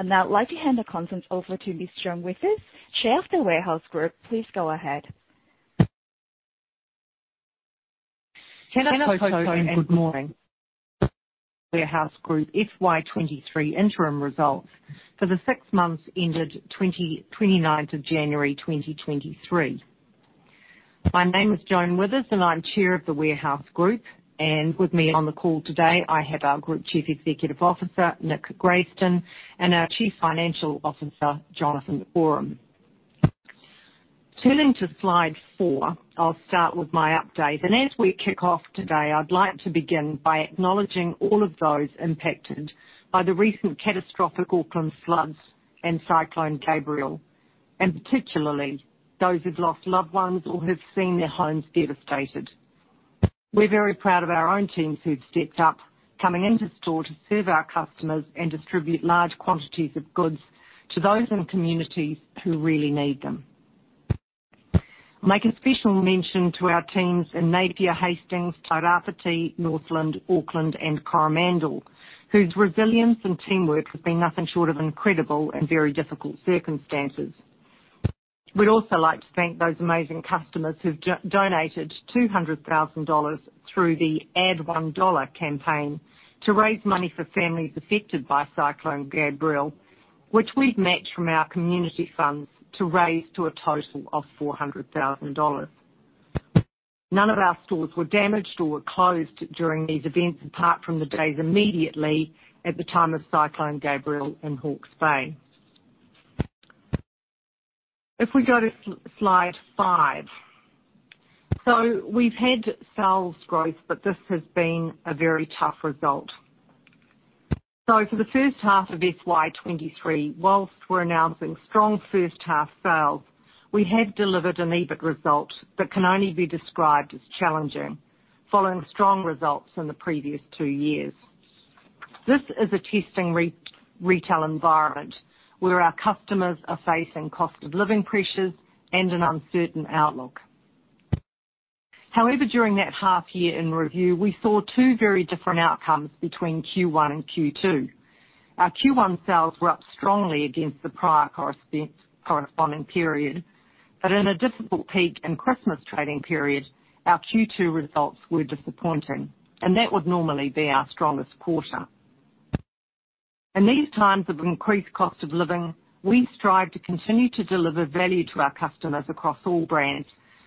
I'd now like to hand the conference over to Ms. Joan Withers, Chair of The Warehouse Group. Please go ahead. Tēnā koutou and good morning. The Warehouse Group FY23 interim results for the six months ended 29th of January 2023. My name is Joan Withers, and I'm Chair of The Warehouse Group. With me on the call today, I have our Group Chief Executive Officer, Nick Grayston, and our Chief Financial Officer, Jonathan Oram. Turning to Slide four, I'll start with my update. As we kick off today, I'd like to begin by acknowledging all of those impacted by the recent catastrophic Auckland floods and Cyclone Gabrielle, and particularly those who've lost loved ones or have seen their homes devastated. We're very proud of our own teams who've stepped up, coming into store to serve our customers and distribute large quantities of goods to those in communities who really need them. I'll make a special mention to our teams in Napier, Hastings, Tairāwhiti, Northland, Auckland and Coromandel, whose resilience and teamwork has been nothing short of incredible in very difficult circumstances. We'd also like to thank those amazing customers who've donated 200,000 dollars through the Add One Dollar campaign to raise money for families affected by Cyclone Gabrielle, which we've matched from our community funds to raise to a total of 400,000 dollars. None of our stores were damaged or were closed during these events, apart from the days immediately at the time of Cyclone Gabrielle in Hawke's Bay. If we go to Slide five. We've had sales growth, but this has been a very tough result. For the first half of FY23, whilst we're announcing strong first half sales, we have delivered an EBIT result that can only be described as challenging following strong results in the previous two years. This is a testing re-retail environment where our customers are facing cost of living pressures and an uncertain outlook. However, during that half year in review, we saw two very different outcomes between Q1 and Q2. Our Q1 sales were up strongly against the prior corresponding period. In a difficult peak in Christmas trading period, our Q2 results were disappointing, and that would normally be our strongest quarter. In these times of increased cost of living, we strive to continue to deliver value to our customers across all brands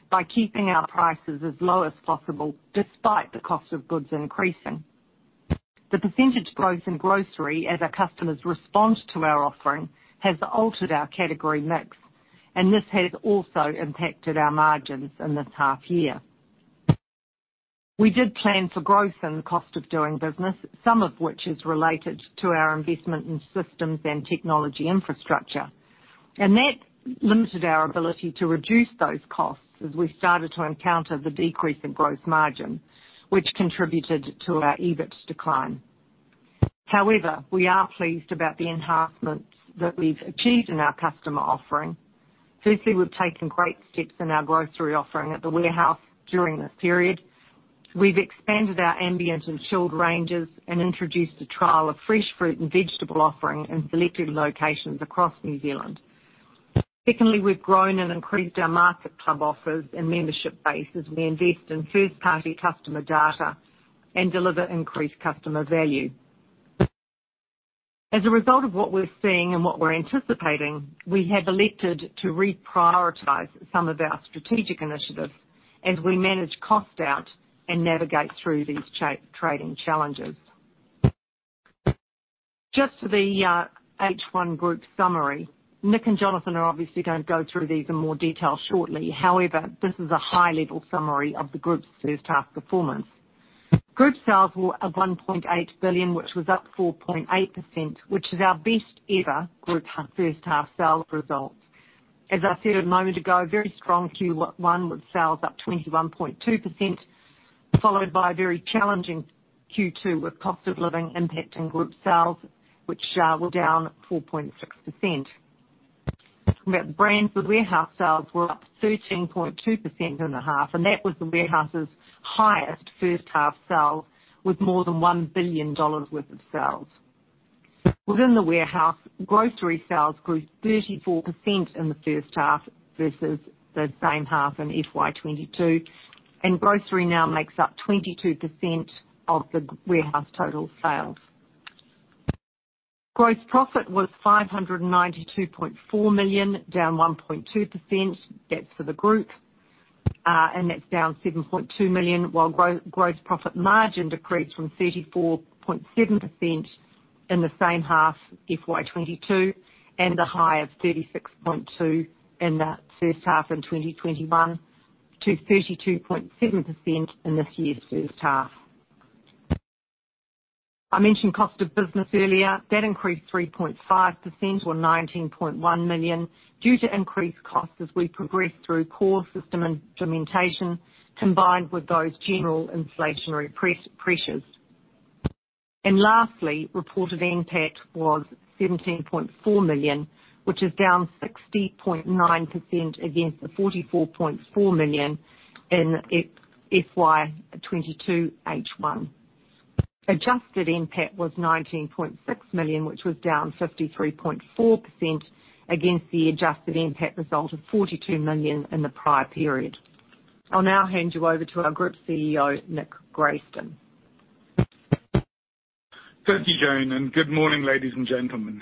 by keeping our prices as low as possible despite the cost of goods increasing. The percentage growth in grocery as our customers respond to our offering, has altered our category mix. This has also impacted our margins in this half year. We did plan for growth in the cost of doing business, some of which is related to our investment in systems and technology infrastructure. That limited our ability to reduce those costs as we started to encounter the decrease in growth margin, which contributed to our EBIT decline. However, we are pleased about the enhancements that we've achieved in our customer offering. Firstly, we've taken great steps in our grocery offering at The Warehouse during this period. We've expanded our ambient and chilled ranges and introduced a trial of fresh fruit and vegetable offering in selected locations across New Zealand. Secondly, we've grown and increased our MarketClub offers and membership base as we invest in first-party customer data and deliver increased customer value. As a result of what we're seeing and what we're anticipating, we have elected to reprioritize some of our strategic initiatives as we manage cost out and navigate through these trading challenges. Just for the H1 group summary. Nick and Jonathan are obviously gonna go through these in more detail shortly. However, this is a high-level summary of the group's first half performance. Group sales were at 1.8 billion, which was up 4.8%, which is our best ever group first half sales result. As I said a moment ago, very strong Q1, with sales up 21.2%, followed by a very challenging Q2, with cost of living impacting group sales, which were down 4.6%. Talking about brands, The Warehouse sales were up 13.2% in the half. That was The Warehouse's highest first half sales, with more than 1 billion dollars worth of sales. Within The Warehouse, grocery sales grew 34% in the first half versus the same half in FY22. Grocery now makes up 22% of The Warehouse total sales. Gross profit was 592.4 million, down 1.2%. That's for the group. That's down 7.2 million, while gross profit margin decreased from 34.7% in the same half FY22 and a high of 36.2% in the first half in 2021 to 32.7% in this year's first half. I mentioned CODB earlier. That increased 3.5% or 19.1 million due to increased costs as we progressed through core system implementation combined with those general inflationary pressures. Reported NPAT was 17.4 million, which is down 60.9% against the 44.4 million in FY22H1. Adjusted NPAT was 19.6 million, which was down 53.4% against the adjusted NPAT result of 42 million in the prior period. Hand you over to our group CEO, Nick Grayston. Thank you, Joan, and good morning, ladies and gentlemen.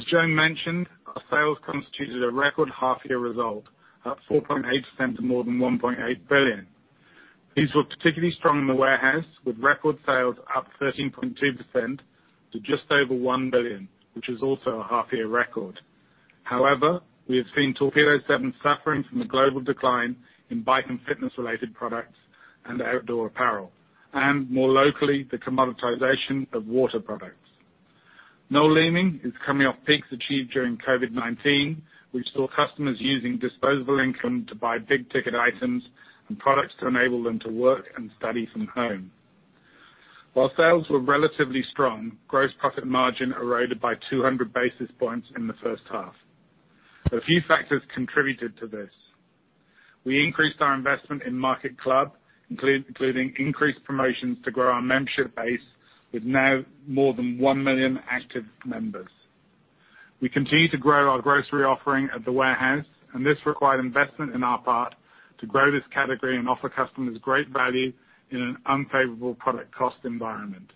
As Joan mentioned, our sales constituted a record half-year result, up 4.8% to more than 1.8 billion. These were particularly strong in The Warehouse, with record sales up 13.2% to just over 1 billion, which is also a half year record. We have seen Torpedo7 suffering from the global decline in bike and fitness related products and outdoor apparel, and more locally, the commoditization of water products. Noel Leeming is coming off peaks achieved during COVID-19, which saw customers using disposable income to buy big ticket items and products to enable them to work and study from home. While sales were relatively strong, gross profit margin eroded by 200 basis points in the first half. A few factors contributed to this. We increased our investment in MarketClub, including increased promotions to grow our membership base with now more than 1 million active members. We continue to grow our grocery offering at The Warehouse, this required investment in our part to grow this category and offer customers great value in an unfavorable product cost environment.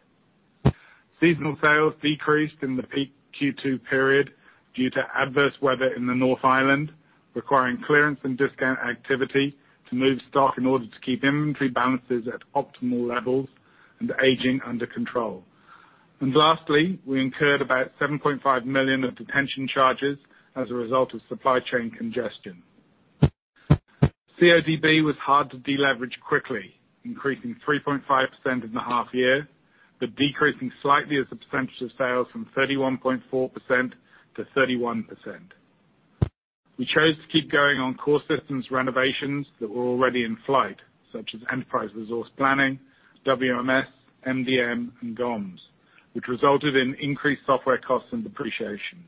Seasonal sales decreased in the peak Q2 period due to adverse weather in the North Island, requiring clearance and discount activity to move stock in order to keep inventory balances at optimal levels and aging under control. Lastly, we incurred about 7.5 million of detention charges as a result of supply chain congestion. CODB was hard to deleverage quickly, increasing 3.5% in the half year, decreasing slightly as a percentage of sales from 31.4%-31%. We chose to keep going on core systems renovations that were already in flight, such as enterprise resource planning, WMS, MDM and OMS, which resulted in increased software costs and depreciation.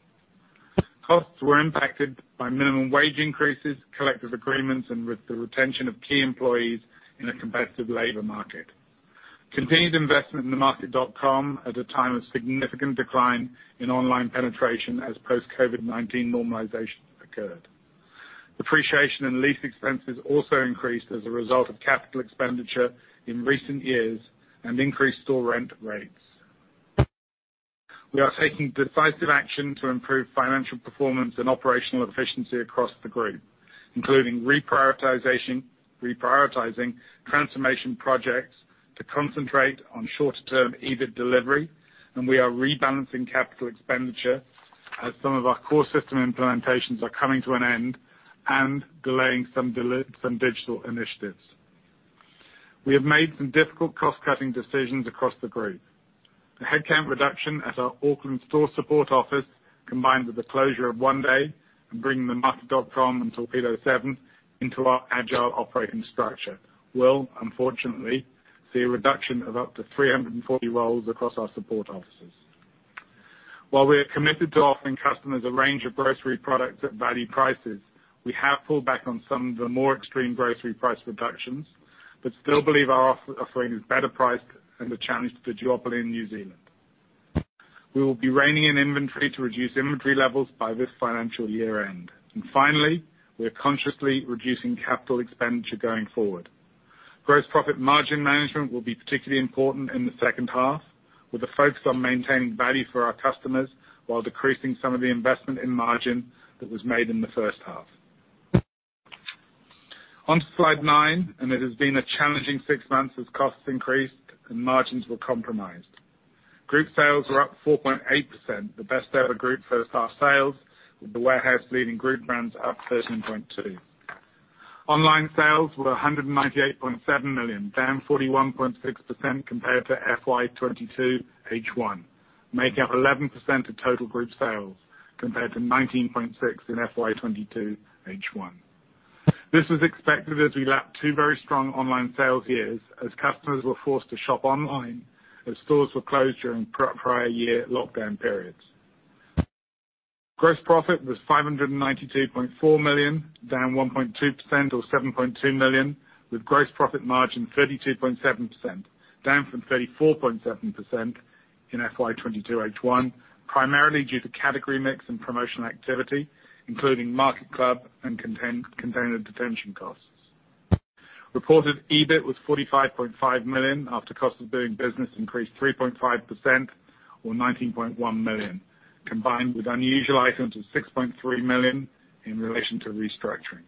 Costs were impacted by minimum wage increases, collective agreements, and with the retention of key employees in a competitive labor market. Continued investment in TheMarket.com at a time of significant decline in online penetration as post COVID-19 normalization occurred. Depreciation and lease expenses also increased as a result of capital expenditure in recent years and increased store rent rates. We are taking decisive action to improve financial performance and operational efficiency across the group, including reprioritizing transformation projects to concentrate on shorter term EBIT delivery. We are rebalancing capital expenditure as some of our core system implementations are coming to an end and delaying some digital initiatives. We have made some difficult cost cutting decisions across the group. The headcount reduction at our Auckland store support office, combined with the closure of 1-day and bringing TheMarket.com and Torpedo7 into our agile operating structure, will unfortunately see a reduction of up to 340 roles across our support offices. While we are committed to offering customers a range of grocery products at value prices, we have pulled back on some of the more extreme grocery price reductions, still believe our offering is better priced and the challenge to the duopoly in New Zealand. We will be reining in inventory to reduce inventory levels by this financial year end. Finally, we are consciously reducing capital expenditure going forward. Gross profit margin management will be particularly important in the second half, with a focus on maintaining value for our customers while decreasing some of the investment in margin that was made in the first half. On to Slide nine, it has been a challenging six months as costs increased and margins were compromised. Group sales were up 4.8%, the best ever group first half sales, with The Warehouse leading group brands up 13.2%. Online sales were 198.7 million, down 41.6% compared to FY22H1, making up 11% of total group sales compared to 19.6% in FY22H1. This was expected as we lapped two very strong online sales years as customers were forced to shop online as stores were closed during prior year lockdown periods. Gross profit was 592.4 million, down 1.2% or 7.2 million, with gross profit margin 32.7%, down from 34.7% in FY22H1, primarily due to category mix and promotional activity, including MarketClub and container detention costs. Reported EBIT was 45.5 million, after cost of doing business increased 3.5% or 19.1 million, combined with unusual items of 6.3 million in relation to restructuring.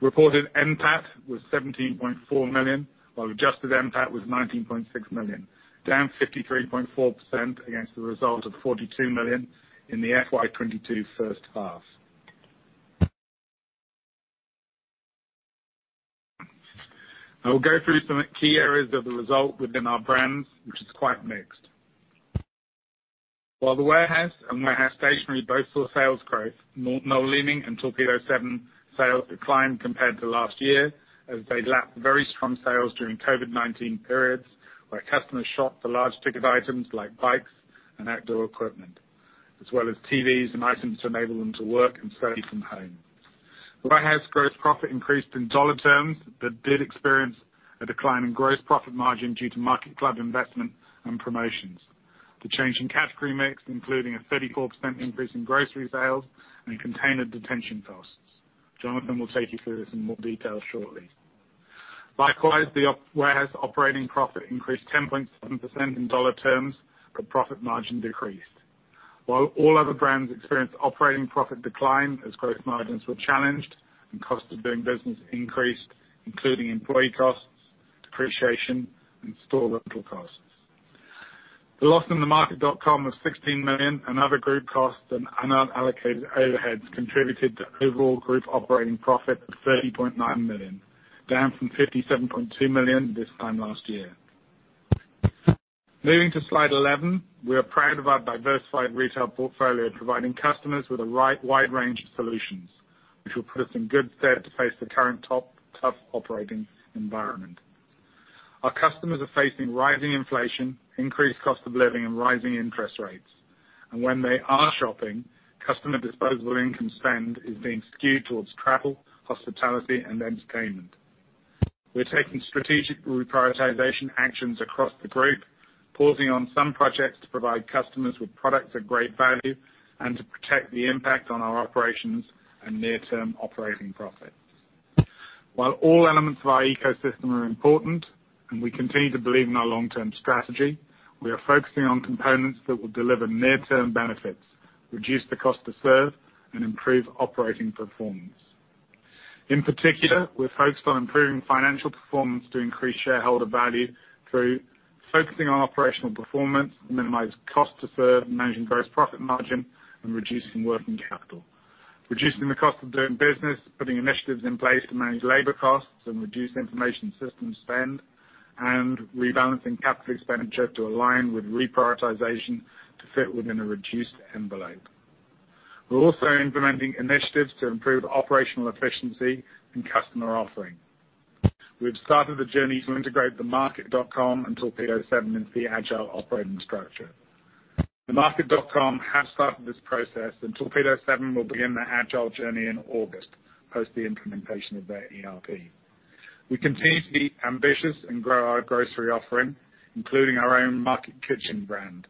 Reported NPAT was 17.4 million, while adjusted NPAT was 19.6 million, down 53.4% against the result of 42 million in the FY22 first half. I will go through some key areas of the result within our brands, which is quite mixed. While The Warehouse and Warehouse Stationery both saw sales growth, Noel Leeming and Torpedo7 sales declined compared to last year as they lapped very strong sales during COVID-19 periods, where customers shopped for large ticket items like bikes and outdoor equipment. As well as TVs and items to enable them to work and study from home. The Warehouse gross profit increased in NZD terms, but did experience a decline in gross profit margin due to MarketClub investment and promotions. The change in category mix, including a 34% increase in grocery sales and container detention costs. Jonathan will take you through this in more detail shortly. Likewise, The Warehouse operating profit increased 10.7% in NZD terms, but profit margin decreased. While all other brands experienced operating profit decline as gross margins were challenged and cost of doing business increased, including employee costs, depreciation, and store rental costs. The loss in TheMarket.com was 16 million. Other group costs and unallocated overheads contributed to overall group operating profit of 30.9 million, down from 57.2 million this time last year. Moving to Slide 11, we are proud of our diversified retail portfolio, providing customers with a wide range of solutions, which will put us in good stead to face the current tough operating environment. Our customers are facing rising inflation, increased cost of living and rising interest rates. When they are shopping, customer disposable income spend is being skewed towards travel, hospitality, and entertainment. We're taking strategic reprioritization actions across the group, pausing on some projects to provide customers with products at great value and to protect the impact on our operations and near-term operating profits. While all elements of our ecosystem are important and we continue to believe in our long-term strategy, we are focusing on components that will deliver near-term benefits, reduce the cost to serve, and improve operating performance. In particular, we're focused on improving financial performance to increase shareholder value through focusing on operational performance to minimize cost to serve, managing gross profit margin, and reducing working capital. Reducing the CODB, putting initiatives in place to manage labor costs and reduce information system spend, and rebalancing CapEx to align with reprioritization to fit within a reduced envelope. We're also implementing initiatives to improve operational efficiency and customer offering. We've started the journey to integrate TheMarket.com and Torpedo7 into the agile operating structure. TheMarket.com has started this process, and Torpedo7 will begin their agile journey in August, post the implementation of their ERP. We continue to be ambitious and grow our grocery offering, including our own Market Kitchen brand,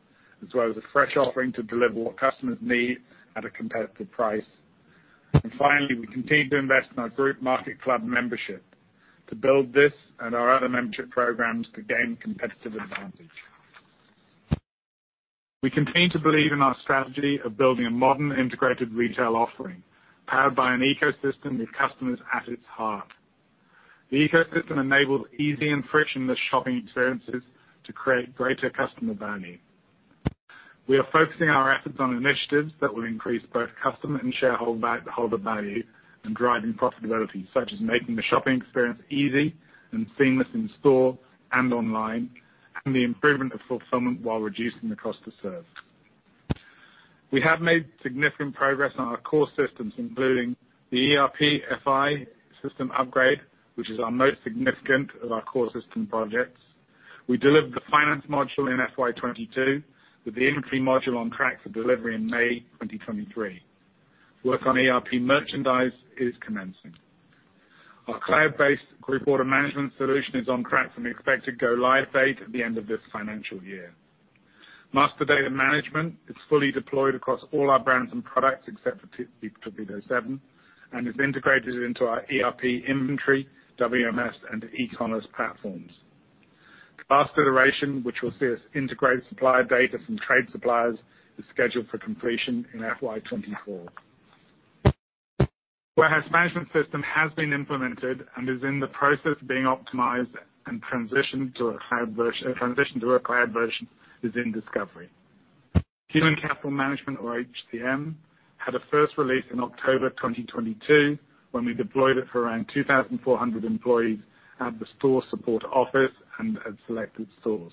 as well as a fresh offering to deliver what customers need at a competitive price. Finally, we continue to invest in our group MarketClub membership to build this and our other membership programs to gain competitive advantage. We continue to believe in our strategy of building a modern integrated retail offering powered by an ecosystem with customers at its heart. The ecosystem enables easy and frictionless shopping experiences to create greater customer value. We are focusing our efforts on initiatives that will increase both customer and shareholder value and driving profitability, such as making the shopping experience easy and seamless in-store and online, and the improvement of fulfillment while reducing the cost to serve. We have made significant progress on our core systems, including the ERP FI system upgrade, which is our most significant of our core system projects. We delivered the finance module in FY 2022, with the inventory module on track for delivery in May 2023. Work on ERP merchandise is commencing. Our cloud-based group order management solution is on track for an expected go live date at the end of this financial year. Master Data Management is fully deployed across all our brands and products, except for Torpedo7, and is integrated into our ERP inventory, WMS, and e-commerce platforms. The last iteration, which will see us integrate supplier data from trade suppliers, is scheduled for completion in FY 2024. Warehouse Management System has been implemented and is in the process of being optimized and transition to a cloud version is in discovery. Human capital management or HCM had a first release in October 2022, when we deployed it for around 2,400 employees at the store support office and at selected stores.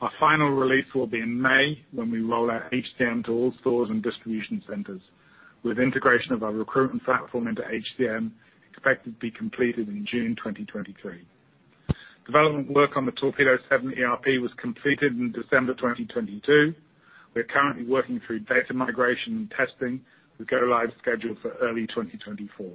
Our final release will be in May, when we roll out HCM to all stores and distribution centers, with integration of our recruitment platform into HCM expected to be completed in June 2023. Development work on the Torpedo7 ERP was completed in December 2022. We're currently working through data migration and testing, with go live scheduled for early 2024.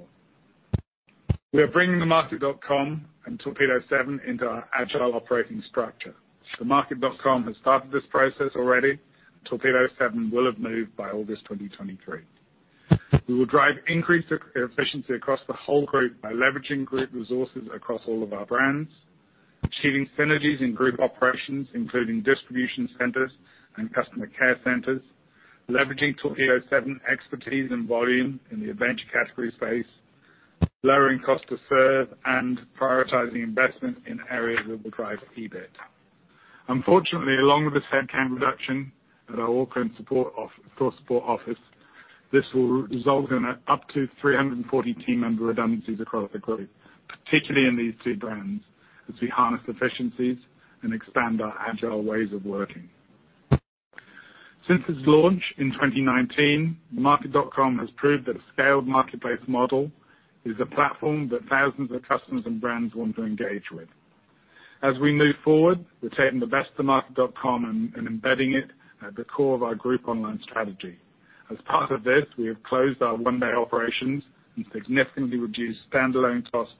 We are bringing TheMarket.com and Torpedo7 into our agile operating structure. TheMarket.com has started this process already. Torpedo7 will have moved by August 2023. We will drive increased efficiency across the whole group by leveraging group resources across all of our brands, achieving synergies in group operations, including distribution centers and customer care centers, leveraging Torpedo7 expertise and volume in the adventure category space, lowering cost to serve and prioritizing investment in areas that will drive EBIT. Unfortunately, along with this headcount reduction at our Auckland store support office, this will result in up to 340 team member redundancies across the group, particularly in these two brands, as we harness efficiencies and expand our agile ways of working. Since its launch in 2019, TheMarket.com has proved that a scaled marketplace model is a platform that thousands of customers and brands want to engage with. As we move forward, we're taking the best of TheMarket.com and embedding it at the core of our group online strategy. As part of this, we have closed our 1-day operations and significantly reduced standalone costs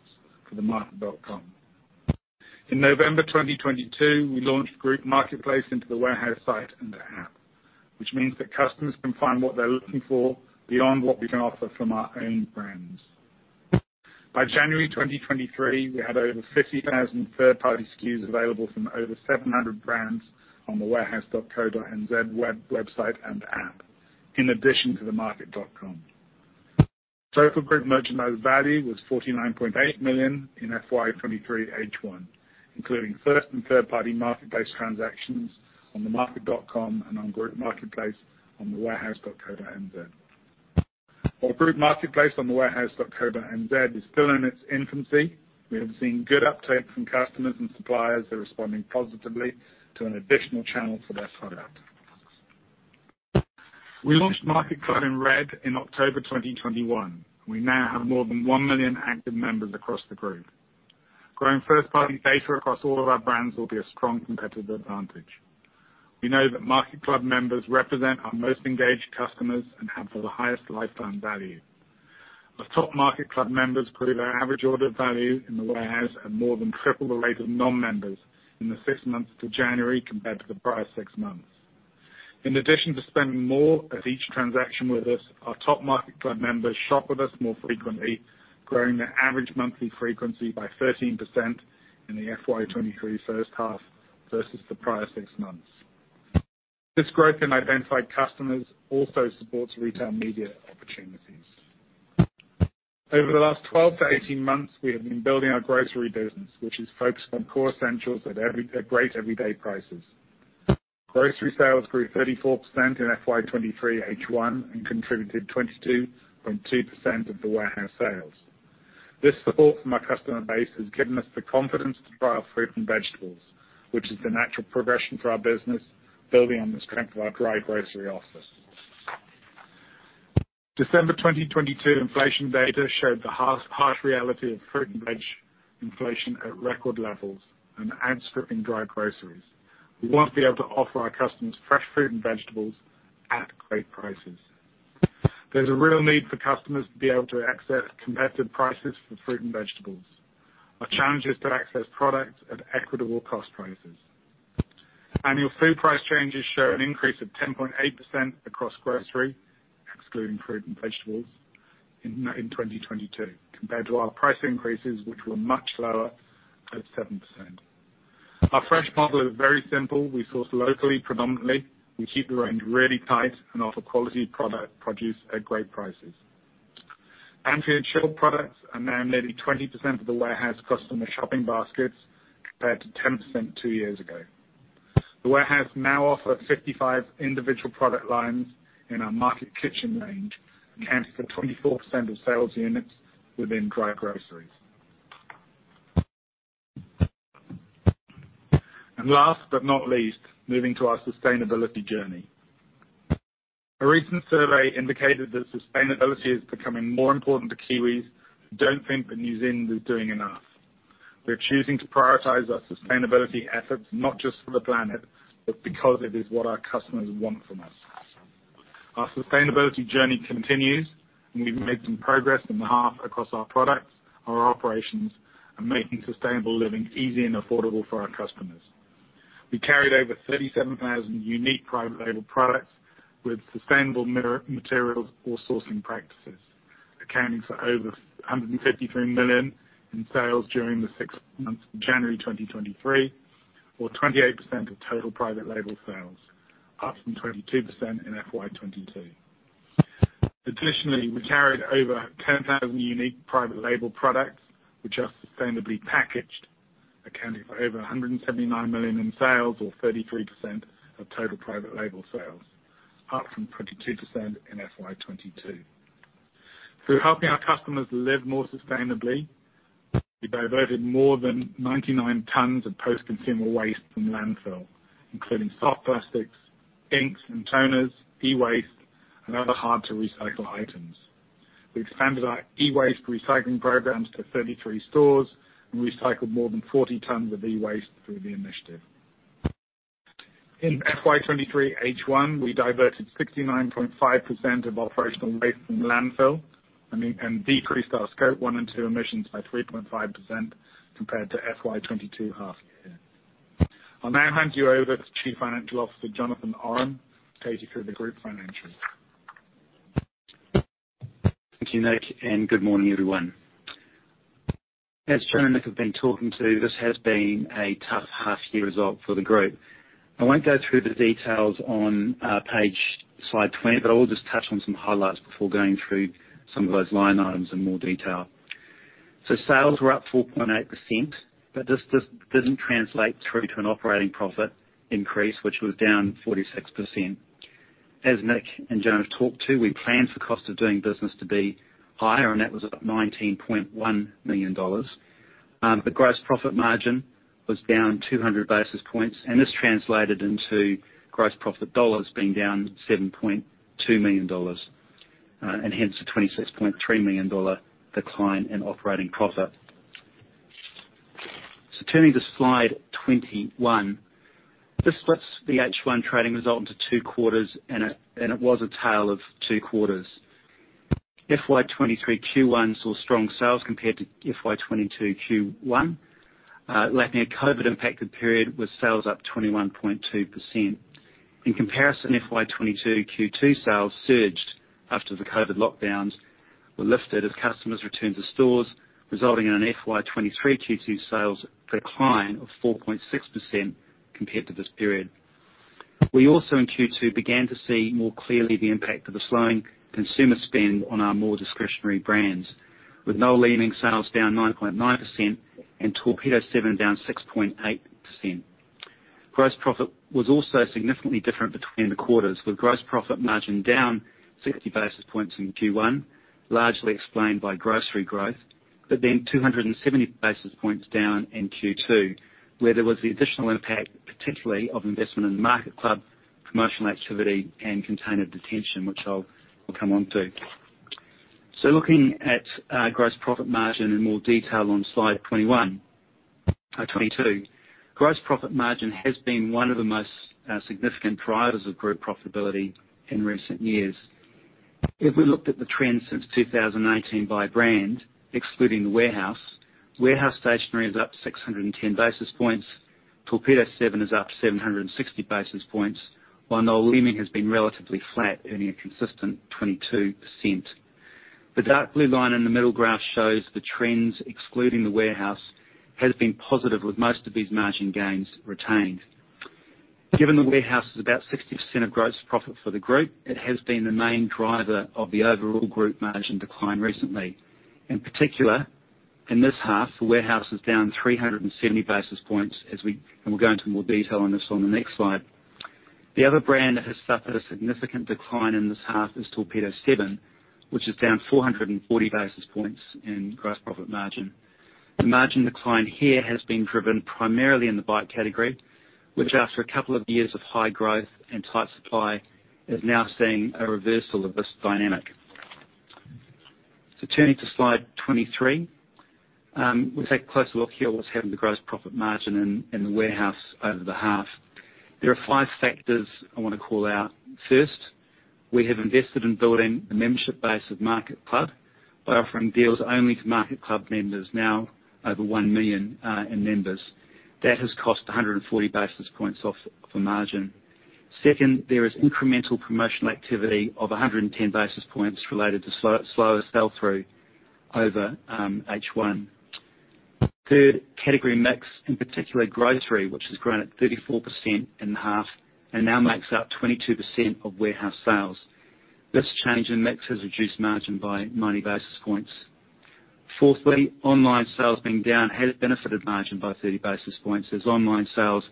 for TheMarket.com. In November 2022, we launched Group Marketplace into The Warehouse site and the app, which means that customers can find what they're looking for beyond what we can offer from our own brands. By January 2023, we had over 50,000 third-party SKUs available from over 700 brands on thewarehouse.co.nz website and app, in addition to TheMarket.com. Total group merchandise value was 49.8 million in FY 23 H1, including first and third-party marketplace transactions on TheMarket.com and on Group Marketplace on thewarehouse.co.nz. While Group Marketplace on thewarehouse.co.nz is still in its infancy, we have seen good uptake from customers and suppliers are responding positively to an additional channel for their product. We launched MarketClub and Red in October 2021. We now have more than 1 million active members across the group. Growing first party data across all of our brands will be a strong competitive advantage. We know that MarketClub members represent our most engaged customers and have the highest lifetime value. Our top MarketClub members grew their average order value in The Warehouse at more than triple the rate of non-members in the 6 months to January, compared to the prior six months. In addition to spending more at each transaction with us, our top MarketClub members shop with us more frequently, growing their average monthly frequency by 13% in the FY23 first half versus the prior six months. This growth in identified customers also supports retail media opportunities. Over the last 12 to 18 months, we have been building our grocery business, which is focused on core essentials at great everyday prices. Grocery sales grew 34% in FY23 H1 and contributed 22.2% of The Warehouse sales. This support from our customer base has given us the confidence to trial fruit and vegetables, which is the natural progression for our business, building on the strength of our dry grocery office. December 2022 inflation data showed the harsh reality of fruit and veg inflation at record levels and outstripping dry groceries. We want to be able to offer our customers fresh fruit and vegetables at great prices. There's a real need for customers to be able to access competitive prices for fruit and vegetables. Our challenge is to access products at equitable cost prices. Annual food price changes show an increase of 10.8% across grocery, excluding fruit and vegetables, in 2022, compared to our price increases, which were much lower at 7%. Our fresh model is very simple. We source locally predominantly, we keep the range really tight and offer quality produce at great prices. Ambient chilled products are now nearly 20% of The Warehouse customer shopping baskets, compared to 10% two years ago. The Warehouse now offers 55 individual product lines in our Market Kitchen range, accounting for 24% of sales units within dry groceries. Last but not least, moving to our sustainability journey. A recent survey indicated that sustainability is becoming more important to Kiwis, who don't think that New Zealand is doing enough. We're choosing to prioritize our sustainability efforts, not just for the planet, but because it is what our customers want from us. Our sustainability journey continues, and we've made some progress in the half across our products, our operations, and making sustainable living easy and affordable for our customers. We carried over 37,000 unique private label products with sustainable materials or sourcing practices, accounting for over 153 million in sales during the 6 months to January 2023, or 28% of total private label sales, up from 22% in FY 22. Additionally, we carried over 10,000 unique private label products, which are sustainably packaged, accounting for over 179 million in sales or 33% of total private label sales, up from 22% in FY 22. Through helping our customers live more sustainably, we diverted more than 99 tons of post-consumer waste from landfill, including soft plastics, inks and toners, e-waste and other hard-to-recycle items. We expanded our e-waste recycling programs to 33 stores and recycled more than 40 tons of e-waste through the initiative. In FY 23 H1, we diverted 69.5% of operational waste from landfill and decreased our Scope 1 and 2 emissions by 3.5% compared to FY 22 half year. I'll now hand you over to Chief Financial Officer Jonathan Oram to take you through the group financials. Thank you, Nick, and good morning, everyone. Joan and Nick have been talking to, this has been a tough half year result for the group. I won't go through the details on page Slide 20, but I will just touch on some highlights before going through some of those line items in more detail. Sales were up 4.8%, but this just doesn't translate through to an operating profit increase, which was down 46%. Nick and Joan have talked to, we planned for CODB to be higher, and that was about 19.1 million dollars. The gross profit margin was down 200 basis points, and this translated into gross profit dollars being down 7.2 million dollars. Hence the 26.3 million dollar decline in operating profit. Turning to Slide 21. This splits the H1 trading result into 2 quarters. It was a tale of 2 quarters. FY23 Q1 saw strong sales compared to FY22 Q1. Lacking a COVID impacted period with sales up 21.2%. In comparison, FY22 Q2 sales surged after the COVID lockdowns were lifted as customers returned to stores, resulting in an FY23 Q2 sales decline of 4.6% compared to this period. We also in Q2 began to see more clearly the impact of the slowing consumer spend on our more discretionary brands. With Noel Leeming sales down 9.9% and Torpedo7 down 6.8%. Gross profit was also significantly different between the quarters, with gross profit margin down 60 basis points in Q1, largely explained by grocery growth, then 270 basis points down in Q2, where there was the additional impact, particularly of investment in MarketClub promotional activity and container detention, which we'll come onto. Looking at gross profit margin in more detail on Slide 21, 22. Gross profit margin has been one of the most significant drivers of group profitability in recent years. If we looked at the trends since 2018 by brand, excluding The Warehouse Stationery is up 610 basis points. Torpedo7 is up 760 basis points, while Noel Leeming has been relatively flat, earning a consistent 22%. The dark blue line in the middle graph shows the trends excluding The Warehouse has been positive with most of these margin gains retained. Given The Warehouse is about 60% of gross profit for the group, it has been the main driver of the overall group margin decline recently. In particular, in this half, The Warehouse is down 370 basis points and we'll go into more detail on this on the next Slide. The other brand that has suffered a significant decline in this half is Torpedo7, which is down 440 basis points in gross profit margin. The margin decline here has been driven primarily in the bike category, which after a couple of years of high growth and tight supply, is now seeing a reversal of this dynamic. Turning to Slide 23, we take a closer look here at what's happened to gross profit margin in The Warehouse over the half. There are five factors I wanna call out. First, we have invested in building the membership base of MarketClub by offering deals only to MarketClub members, now over 1 million in members. That has cost 140 basis points off of the margin. Second, there is incremental promotional activity of 110 basis points related to slower sell through over H1. Third, category mix, in particular grocery, which has grown at 34% in half and now makes up 22% of The Warehouse sales. This change in mix has reduced margin by 90 basis points. Fourthly, online sales being down has benefited margin by 30 basis points, as online sales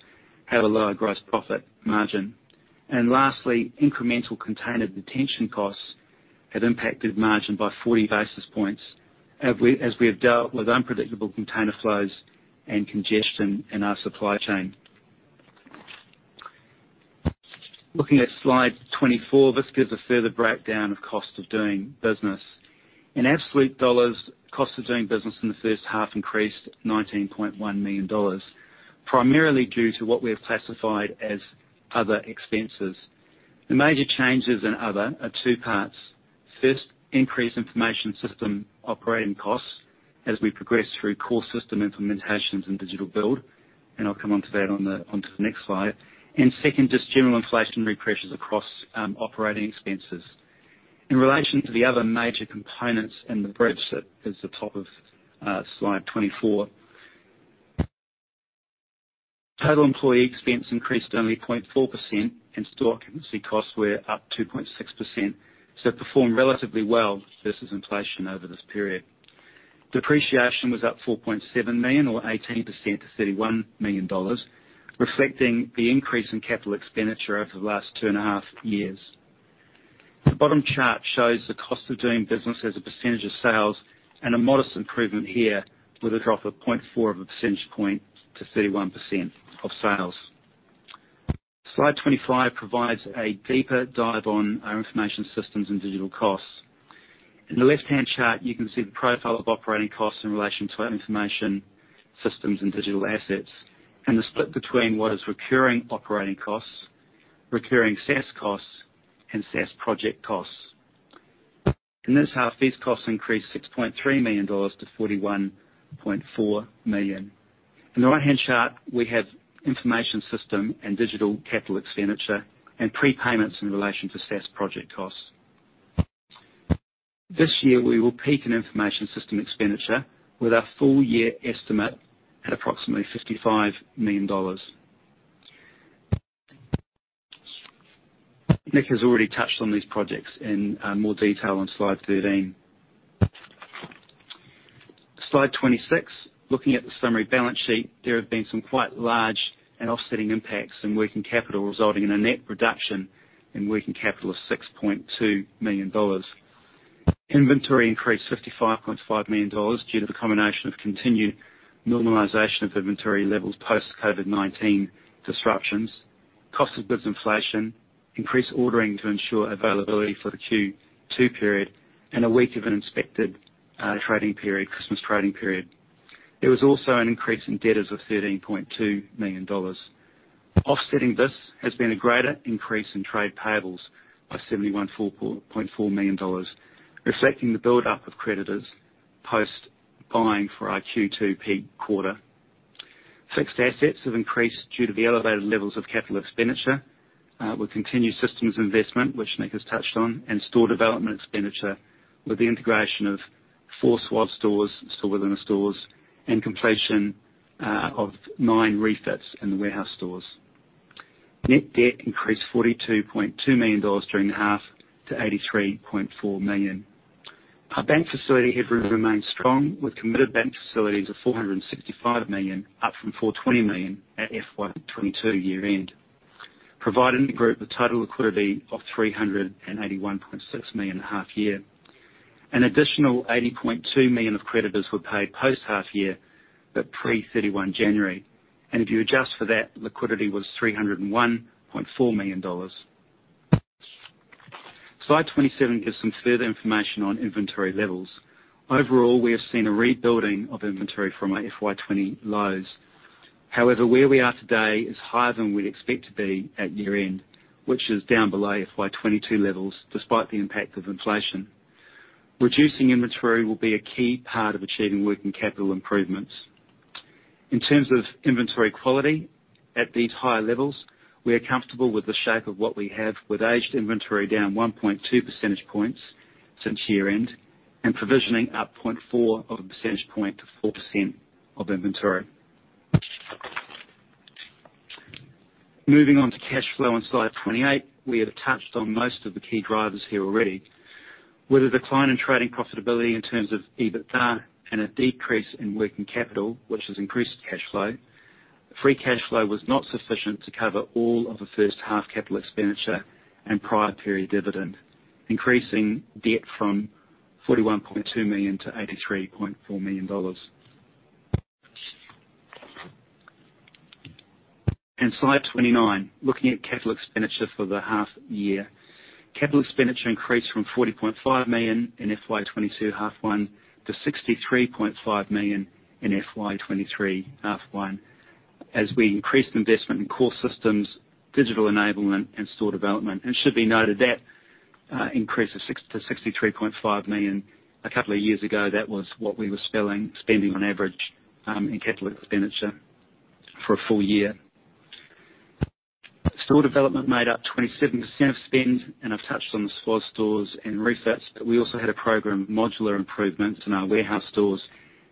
have a lower gross profit margin. Lastly, incremental container detention costs have impacted margin by 40 basis points as we have dealt with unpredictable container flows and congestion in our supply chain. Looking at Slide 24, this gives a further breakdown of CODB. In absolute dollars, CODB in the first half increased 19.1 million dollars, primarily due to what we have classified as other expenses. The major changes in other are two parts. First, increased information system operating costs as we progress through core system implementations and digital build, and I'll come onto that onto the next Slide. Second, just general inflationary pressures across operating expenses. In relation to the other major components in the bridge that is the top of Slide 24. Total employee expense increased only 0.4%, and store occupancy costs were up 2.6%, so performed relatively well versus inflation over this period. Depreciation was up 4.7 million, or 18% to 31 million dollars, reflecting the increase in capital expenditure over the last two and a half years. The bottom chart shows the cost of doing business as a percentage of sales and a modest improvement here with a drop of 0.4 of a percentage point to 31% of sales. Slide 25 provides a deeper dive on our information systems and digital costs. In the left-hand chart, you can see the profile of operating costs in relation to our information systems and digital assets, and the split between what is recurring operating costs, recurring SaaS costs, and SaaS project costs. In this half, these costs increased 6.3 million dollars to 41.4 million. In the right-hand chart, we have information system and digital capital expenditure and prepayments in relation to SaaS project costs. This year, we will peak in information system expenditure with our full year estimate at approximately 55 million dollars. Nick has already touched on these projects in more detail on Slide 13. Slide 26. Looking at the summary balance sheet, there have been some quite large and offsetting impacts in working capital, resulting in a net reduction in working capital of 6.2 million dollars. Inventory increased 55.5 million dollars due to the combination of continued normalization of inventory levels post COVID-19 disruptions, cost of goods inflation, increased ordering to ensure availability for the Q2 period and a week of an inspected trading period, Christmas trading period. There was also an increase in debtors of NZD 13.2 million. Offsetting this has been a greater increase in trade payables by NZD 71 4.4 million, reflecting the buildup of creditors post buying for our Q2 peak quarter. Fixed assets have increased due to the elevated levels of capital expenditure, with continued systems investment, which Nick has touched on, and store development expenditure with the integration of 4 SWAS stores, store within a stores, and completion of 9 refits in The Warehouse stores. Net debt increased NZD 42.2 million during the half to NZD 83.4 million. Our bank facility headroom remains strong with committed bank facilities of NZD 465 million, up from NZD 420 million at FY 2022 year end, providing the group with total liquidity of NZD 381.6 million half year. An additional NZD 80.2 million of creditors were paid post half year, but pre-31 January. If you adjust for that, liquidity was NZD 301.4 million. Slide 27 gives some further information on inventory levels. Overall, we have seen a rebuilding of inventory from our FY 20 lows. However, where we are today is higher than we'd expect to be at year-end, which is down below FY 22 levels despite the impact of inflation. Reducing inventory will be a key part of achieving working capital improvements. In terms of inventory quality at these higher levels, we are comfortable with the shape of what we have with aged inventory down 1.2 percentage points since year-end and provisioning up 0.4 of a percentage point to 4% of inventory. Moving on to cash flow on Slide 28. We have touched on most of the key drivers here already. With a decline in trading profitability in terms of EBITDA and a decrease in working capital, which has increased cash flow, free cash flow was not sufficient to cover all of the first half capital expenditure and prior period dividend, increasing debt from NZD 41.2 million to NZD 83.4 million. Slide 29, looking at capital expenditure for the half year. Capital expenditure increased from 40.5 million in FY22 half one to 63.5 million in FY23 half one. As we increased investment in core systems, digital enablement, and store development, and should be noted that, increase of 6-63.5 million a couple of years ago, that was what we were spending on average, in capital expenditure for a full year. Store development made up 27% of spend, and I've touched on the SWAS stores and refits, but we also had a program of modular improvements in our The Warehouse stores,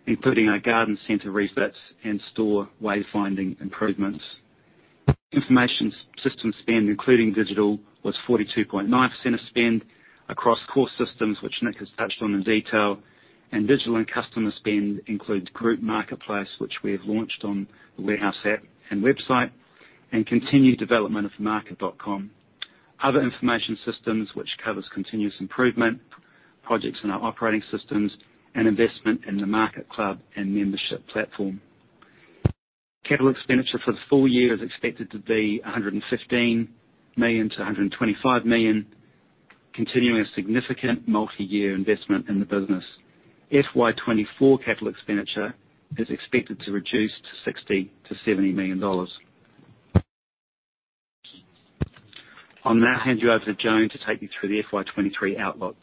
including our garden center refits and store wayfinding improvements. Information system spend, including digital, was 42.9% of spend across core systems, which Nick has touched on in detail. Digital and customer spend includes Group Marketplace, which we have launched on The Warehouse app and website, and continued development of TheMarket.com. Other information systems, which covers continuous improvement, projects in our operating systems, and investment in the MarketClub and membership platform. CapEx for the full year is expected to be 115 million-125 million, continuing a significant multi-year investment in the business. FY 2024 CapEx is expected to reduce to 60 million-70 million dollars. I'll now hand you over to Joan to take you through the FY23 outlook.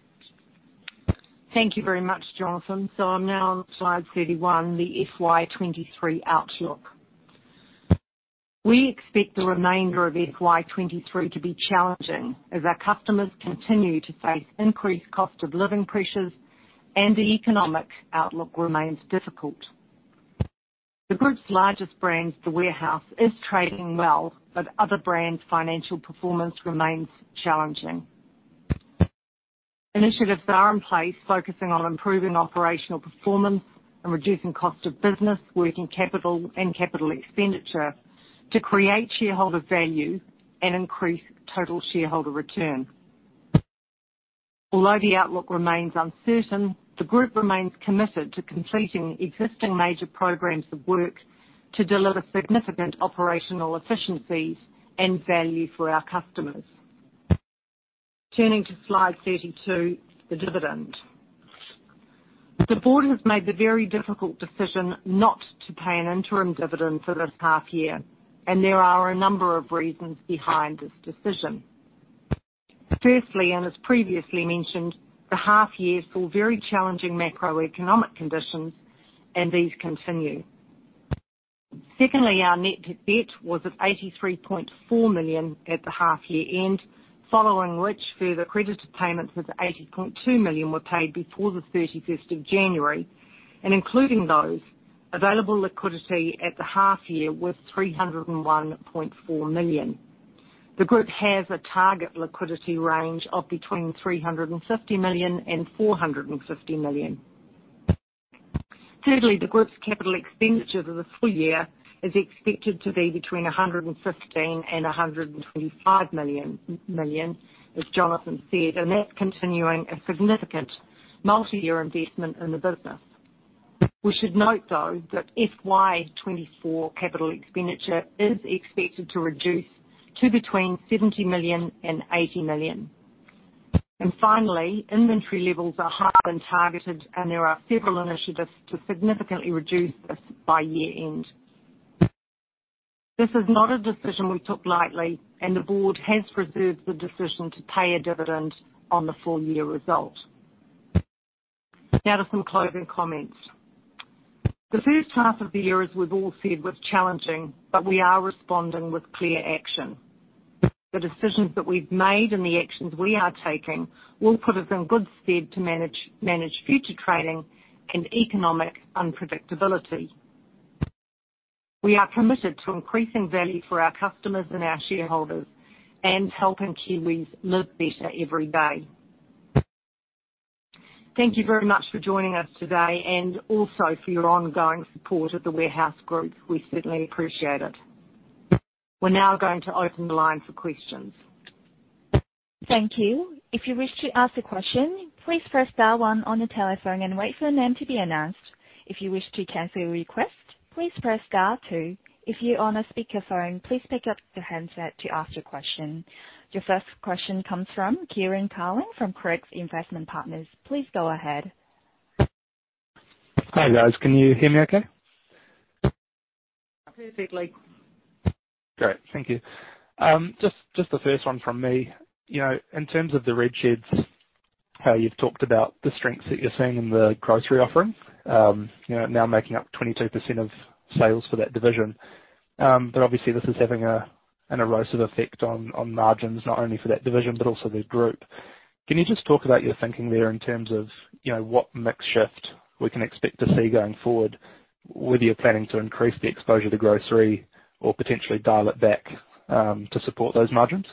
Thank you very much, Jonathan. I'm now on Slide 31, the FY23 outlook. We expect the remainder of FY23 to be challenging as our customers continue to face increased cost of living pressures and the economic outlook remains difficult. The group's largest brand, The Warehouse, is trading well, but other brands' financial performance remains challenging. Initiatives are in place focusing on improving operational performance and reducing CODB, working capital, and CapEx to create shareholder value and increase total shareholder return. Although the outlook remains uncertain, the group remains committed to completing existing major programs of work to deliver significant operational efficiencies and value for our customers. Turning to Slide 32, the dividend. The board has made the very difficult decision not to pay an interim dividend for this half year. There are a number of reasons behind this decision. Firstly, and as previously mentioned, the half year saw very challenging macroeconomic conditions and these continue. Secondly, our net debt was at 83.4 million at the half year end, following which further creditor payments of 80.2 million were paid before the 31st of January. Including those, available liquidity at the half year was 301.4 million. The group has a target liquidity range of between 350 million and 450 million. Thirdly, the group's capital expenditure for the full year is expected to be between 115 million and 125 million, as Jonathan said, and that's continuing a significant multi-year investment in the business. We should note, though, that FY 2024 capital expenditure is expected to reduce to between 70 million and 80 million. Finally, inventory levels are higher than targeted, and there are several initiatives to significantly reduce this by year end. This is not a decision we took lightly, and the board has reserved the decision to pay a dividend on the full year result. To some closing comments. The first half of the year, as we've all said, was challenging, but we are responding with clear action. The decisions that we've made and the actions we are taking will put us in good stead to manage future trading and economic unpredictability. We are committed to increasing value for our customers and our shareholders and helping Kiwis live better every day. Thank you very much for joining us today and also for your ongoing support of The Warehouse Group. We certainly appreciate it. We're now going to open the line for questions. Thank you. If you wish to ask a question, please press star one on your telephone and wait for your name to be announced. If you wish to cancel your request, please press star two. If you're on a speakerphone, please pick up your handset to ask your question. Your first question comes from Kieran Carling from Craigs Investment Partners. Please go ahead. Hi, guys. Can you hear me okay? Perfectly. Great. Thank you. Just the first one from me. You know, in terms of the Red Sheds, how you've talked about the strengths that you're seeing in the grocery offering, you know, now making up 22% of sales for that division. Obviously this is having an erosive effect on margins, not only for that division but also the group. Can you just talk about your thinking there in terms of, you know, what mix shift we can expect to see going forward, whether you're planning to increase the exposure to grocery or potentially dial it back to support those margins?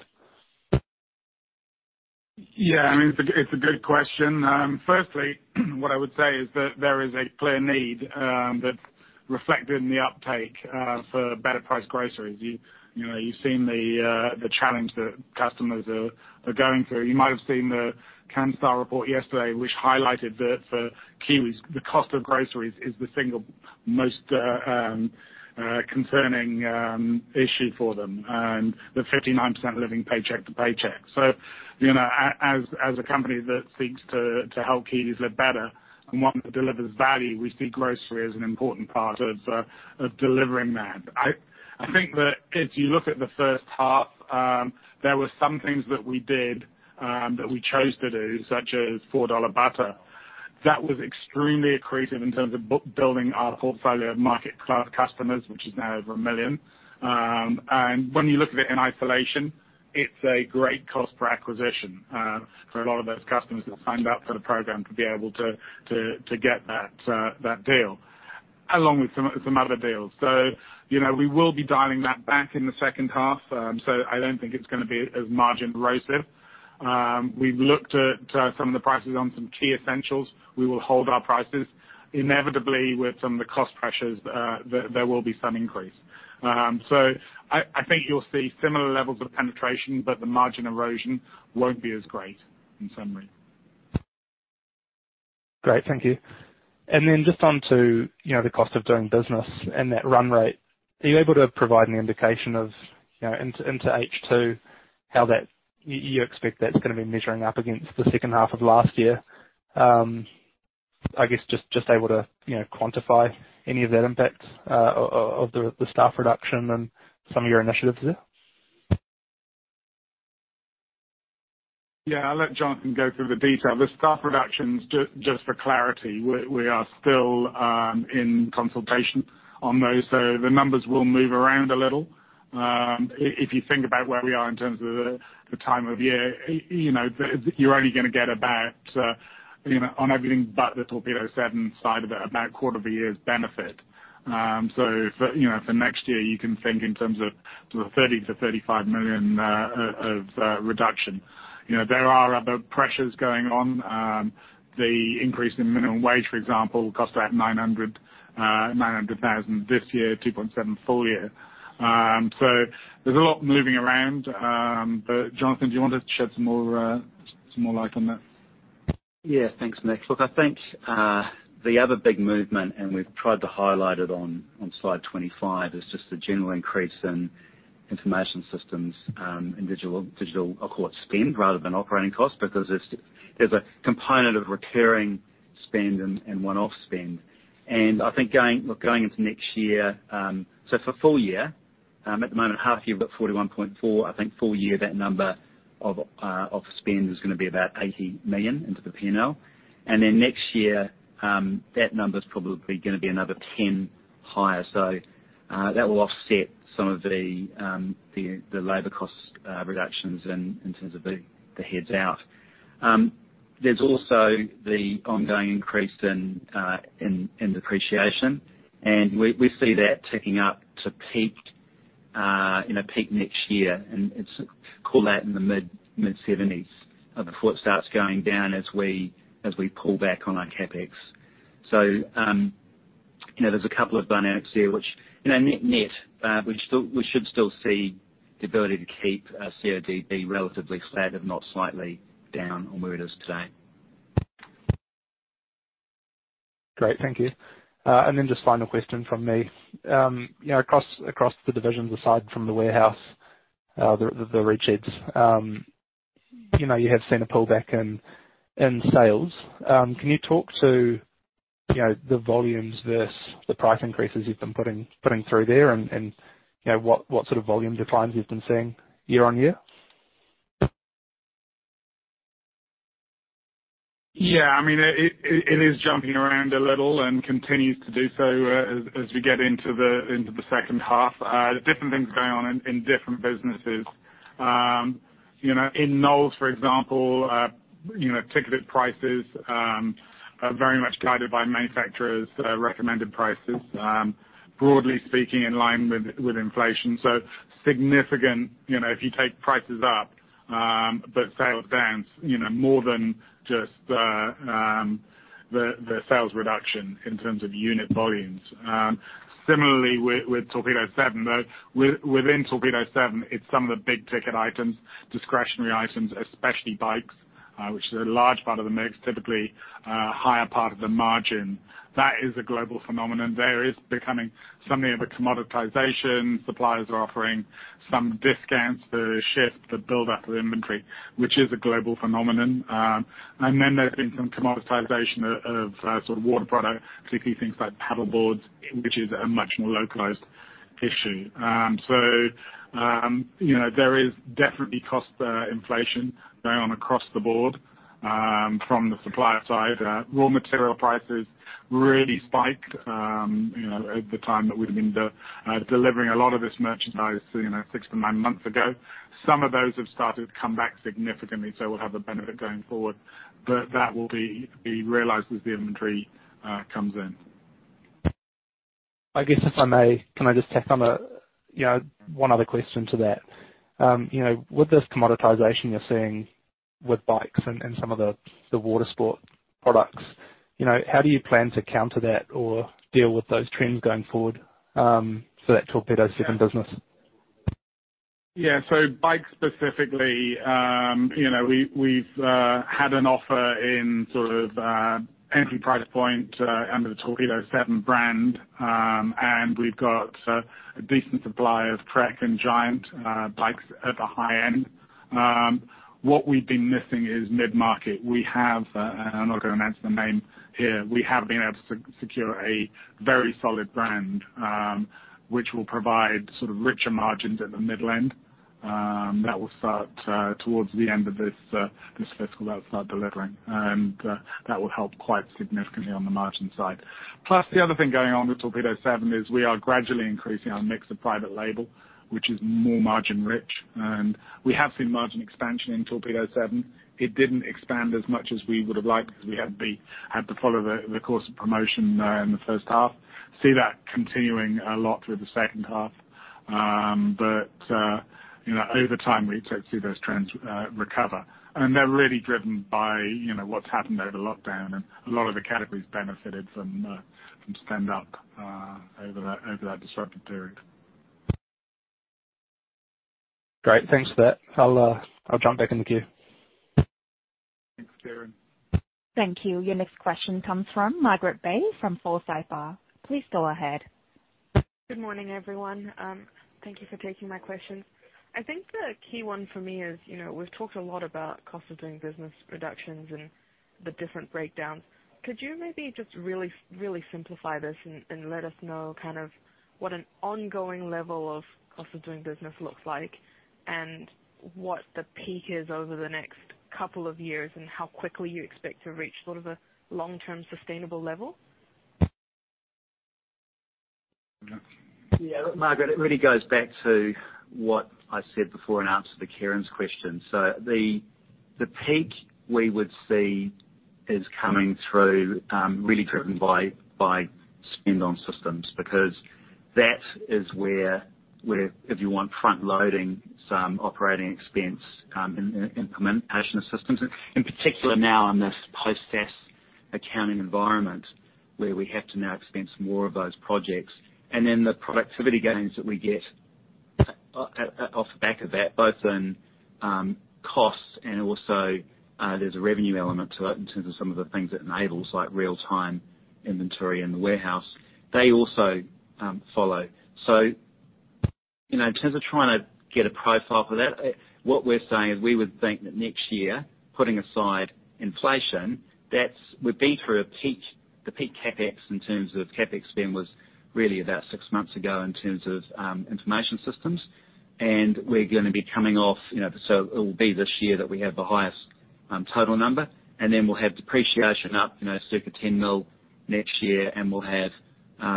I mean, it's a good question. Firstly, what I would say is that there is a clear need that's reflected in the uptake for better priced groceries. You know, you've seen the challenge that customers are going through. You might have seen the Canstar report yesterday which highlighted that for Kiwis the cost of groceries is the single most concerning issue for them with 59% living paycheck to paycheck. You know, as a company that seeks to help Kiwis live better and one that delivers value, we see grocery as an important part of delivering that. I think that if you look at the first half, there were some things that we did, that we chose to do, such as 4 dollar butter, that was extremely accretive in terms of building our portfolio of MarketClub customers, which is now over 1 million. And when you look at it in isolation, it's a great cost per acquisition, for a lot of those customers that signed up for the program to be able to get that deal, along with some other deals. You know, we will be dialing that back in the second half, so I don't think it's gonna be as margin erosive. We've looked at some of the prices on some key essentials. We will hold our prices. Inevitably, with some of the cost pressures, there will be some increase. I think you'll see similar levels of penetration, but the margin erosion won't be as great in summary. Great. Thank you. Just on to, you know, the cost of doing business and that run rate. Are you able to provide an indication of, you know, into H2 how that you expect that's gonna be measuring up against the second half of last year? I guess just able to, you know, quantify any of that impact of the staff reduction and some of your initiatives there. I'll let Jonathan go through the detail. The staff reductions, just for clarity, we are still in consultation on those, the numbers will move around a little. If you think about where we are in terms of the time of year, you know, you're only gonna get about, you know, on everything but the Torpedo7 side of it, about quarter of a year's benefit. For, you know, for next year you can think in terms of sort of 30 million-35 million of reduction. You know, there are other pressures going on. The increase in minimum wage, for example, will cost about 900,000 this year, 2.7 million full year. There's a lot moving around. Jonathan, do you want to shed some more, some more light on that? Yeah. Thanks, Nick. Look, I think, the other big movement, and we've tried to highlight it on Slide 25, is just the general increase in information systems, and digital, I'll call it spend rather than operating costs, because there's a component of recurring spend and one-off spend. I think going, look, going into next year, so for full year, at the moment, half year we've got 41.4. I think full year that number of spend is gonna be about 80 million into the P&L. Next year, that number's probably gonna be another 10 higher. That will offset some of the labor cost, reductions in terms of the heads out. There's also the ongoing increase in depreciation, and we see that ticking up to peak next year, and call that in the mid-seventies, before it starts going down as we pull back on our CapEx. You know, there's a couple of dynamics here which, you know, net, we should still see the ability to keep our CODB relatively flat if not slightly down on where it is today. Great. Thank you. Just final question from me. You know, across the divisions, aside from The Warehouse, the Red Sheds, you know, you have seen a pullback in sales. Can you talk to, you know, the volumes versus the price increases you've been putting through there and, you know, what sort of volume declines you've been seeing year-over-year? Yeah. I mean, it is jumping around a little and continues to do so, as we get into the second half. There's different things going on in different businesses. You know, in Knowles, for example, you know, ticketed prices are very much guided by manufacturers' recommended prices, broadly speaking in line with inflation. Significant, you know, if you take prices up, but sales down, you know, more than just the sales reduction in terms of unit volumes. Similarly with Torpedo7, within Torpedo7, it's some of the big ticket items, discretionary items, especially bikes, which is a large part of the mix, typically a higher part of the margin. That is a global phenomenon. There is becoming something of a commoditization. Suppliers are offering some discounts to shift the buildup of inventory, which is a global phenomenon. There's been some commoditization of, sort of water product, specifically things like paddle boards, which is a much more localized issue. You know, there is definitely cost inflation going on across the board, from the supplier side. Raw material prices really spiked, you know, at the time that we'd been delivering a lot of this merchandise, you know, six to nine months ago. Some of those have started to come back significantly, so we'll have the benefit going forward. That will be realized as the inventory comes in. I guess if I may, can I just tack on a, you know, one other question to that? You know, with this commoditization you're seeing with bikes and some of the water sport products, you know, how do you plan to counter that or deal with those trends going forward for that Torpedo7 business? Yeah. Bikes specifically, you know, we've had an offer in sort of entry price point under the Torpedo7 brand, and we've got a decent supply of Trek and Giant bikes at the high end. What we've been missing is mid-market. We have, and I'm not gonna announce the name here, we have been able to secure a very solid brand, which will provide sort of richer margins at the mid-end, that will start towards the end of this fiscal that'll start delivering. That will help quite significantly on the margin side. Plus, the other thing going on with Torpedo7 is we are gradually increasing our mix of private label, which is more margin rich, and we have seen margin expansion in Torpedo7. It didn't expand as much as we would've liked because we had to follow the course of promotion in the first half. See that continuing a lot through the second half. You know, over time, we expect to see those trends recover. They're really driven by, you know, what's happened over lockdown. A lot of the categories benefited from from spend up over that disruptive period. Great. Thanks for that. I'll jump back in the queue. Thanks, Kieran. Thank you. Your next question comes from Margaret Bei from Forsyth Barr. Please go ahead. Good morning, everyone. Thank you for taking my questions. I think the key one for me is, you know, we've talked a lot about Cost of Doing Business reductions and the different breakdowns. Could you maybe just really, really simplify this and let us know kind of what an ongoing level of Cost of Doing Business looks like and what the peak is over the next couple of years, and how quickly you expect to reach sort of a long-term sustainable level? Yeah. Look, Margaret Bei, it really goes back to what I said before in answer to Kieran Carling's question. The peak we would see is coming through, really driven by spend on systems, because that is where if you want front-loading some operating expense in the implementation of systems, in particular now in this post-SaaS accounting environment, where we have to now expense more of those projects. The productivity gains that we get off the back of that, both in costs and also there's a revenue element to it in terms of some of the things it enables, like real-time inventory in the warehouse. They also follow. You know, in terms of trying to get a profile for that, what we're saying is we would think that next year, putting aside inflation, that's we're be through a peak. The peak CapEx in terms of CapEx spend was really about six months ago in terms of information systems. We're gonna be coming off, you know, so it will be this year that we have the highest total number. Then we'll have depreciation up, you know, super 10 million next year. We'll have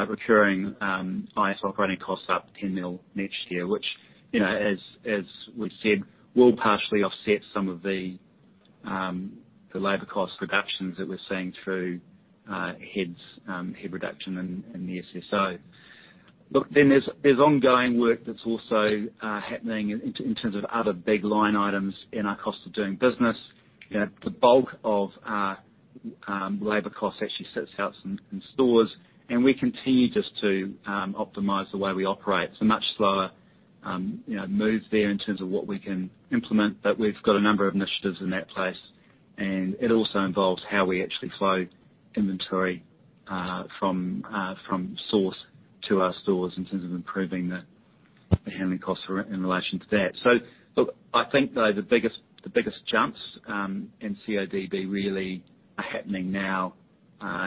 recurring higher operating costs up 10 million next year, which, you know, as we've said, will partially offset some of the labor cost reductions that we're seeing through heads, head reduction in the SSO. Then there's ongoing work that's also happening in terms of other big line items in our cost of doing business. You know, the bulk of our labor cost actually sits out in stores. We continue just to optimize the way we operate. Much slower, you know, move there in terms of what we can implement. We've got a number of initiatives in that place, and it also involves how we actually flow inventory, from source to our stores in terms of improving the handling costs in relation to that. Look, I think that the biggest jumps, in CODB really are happening now,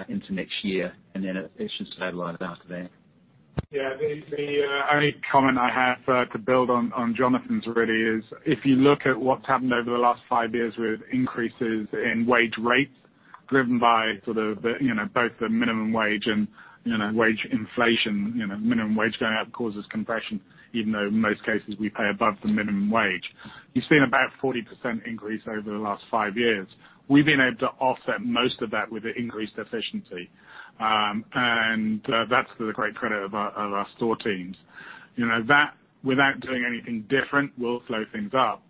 into next year, and then it should stabilize after that. The only comment I have to build on Jonathan's really is if you look at what's happened over the last five years with increases in wage rates driven by sort of the, you know, both the minimum wage and, you know, wage inflation, you know, minimum wage going up causes compression, even though in most cases we pay above the minimum wage. You've seen about 40% increase over the last five years. We've been able to offset most of that with the increased efficiency. That's to the great credit of our, of our store teams. You know, that, without doing anything different, will slow things up.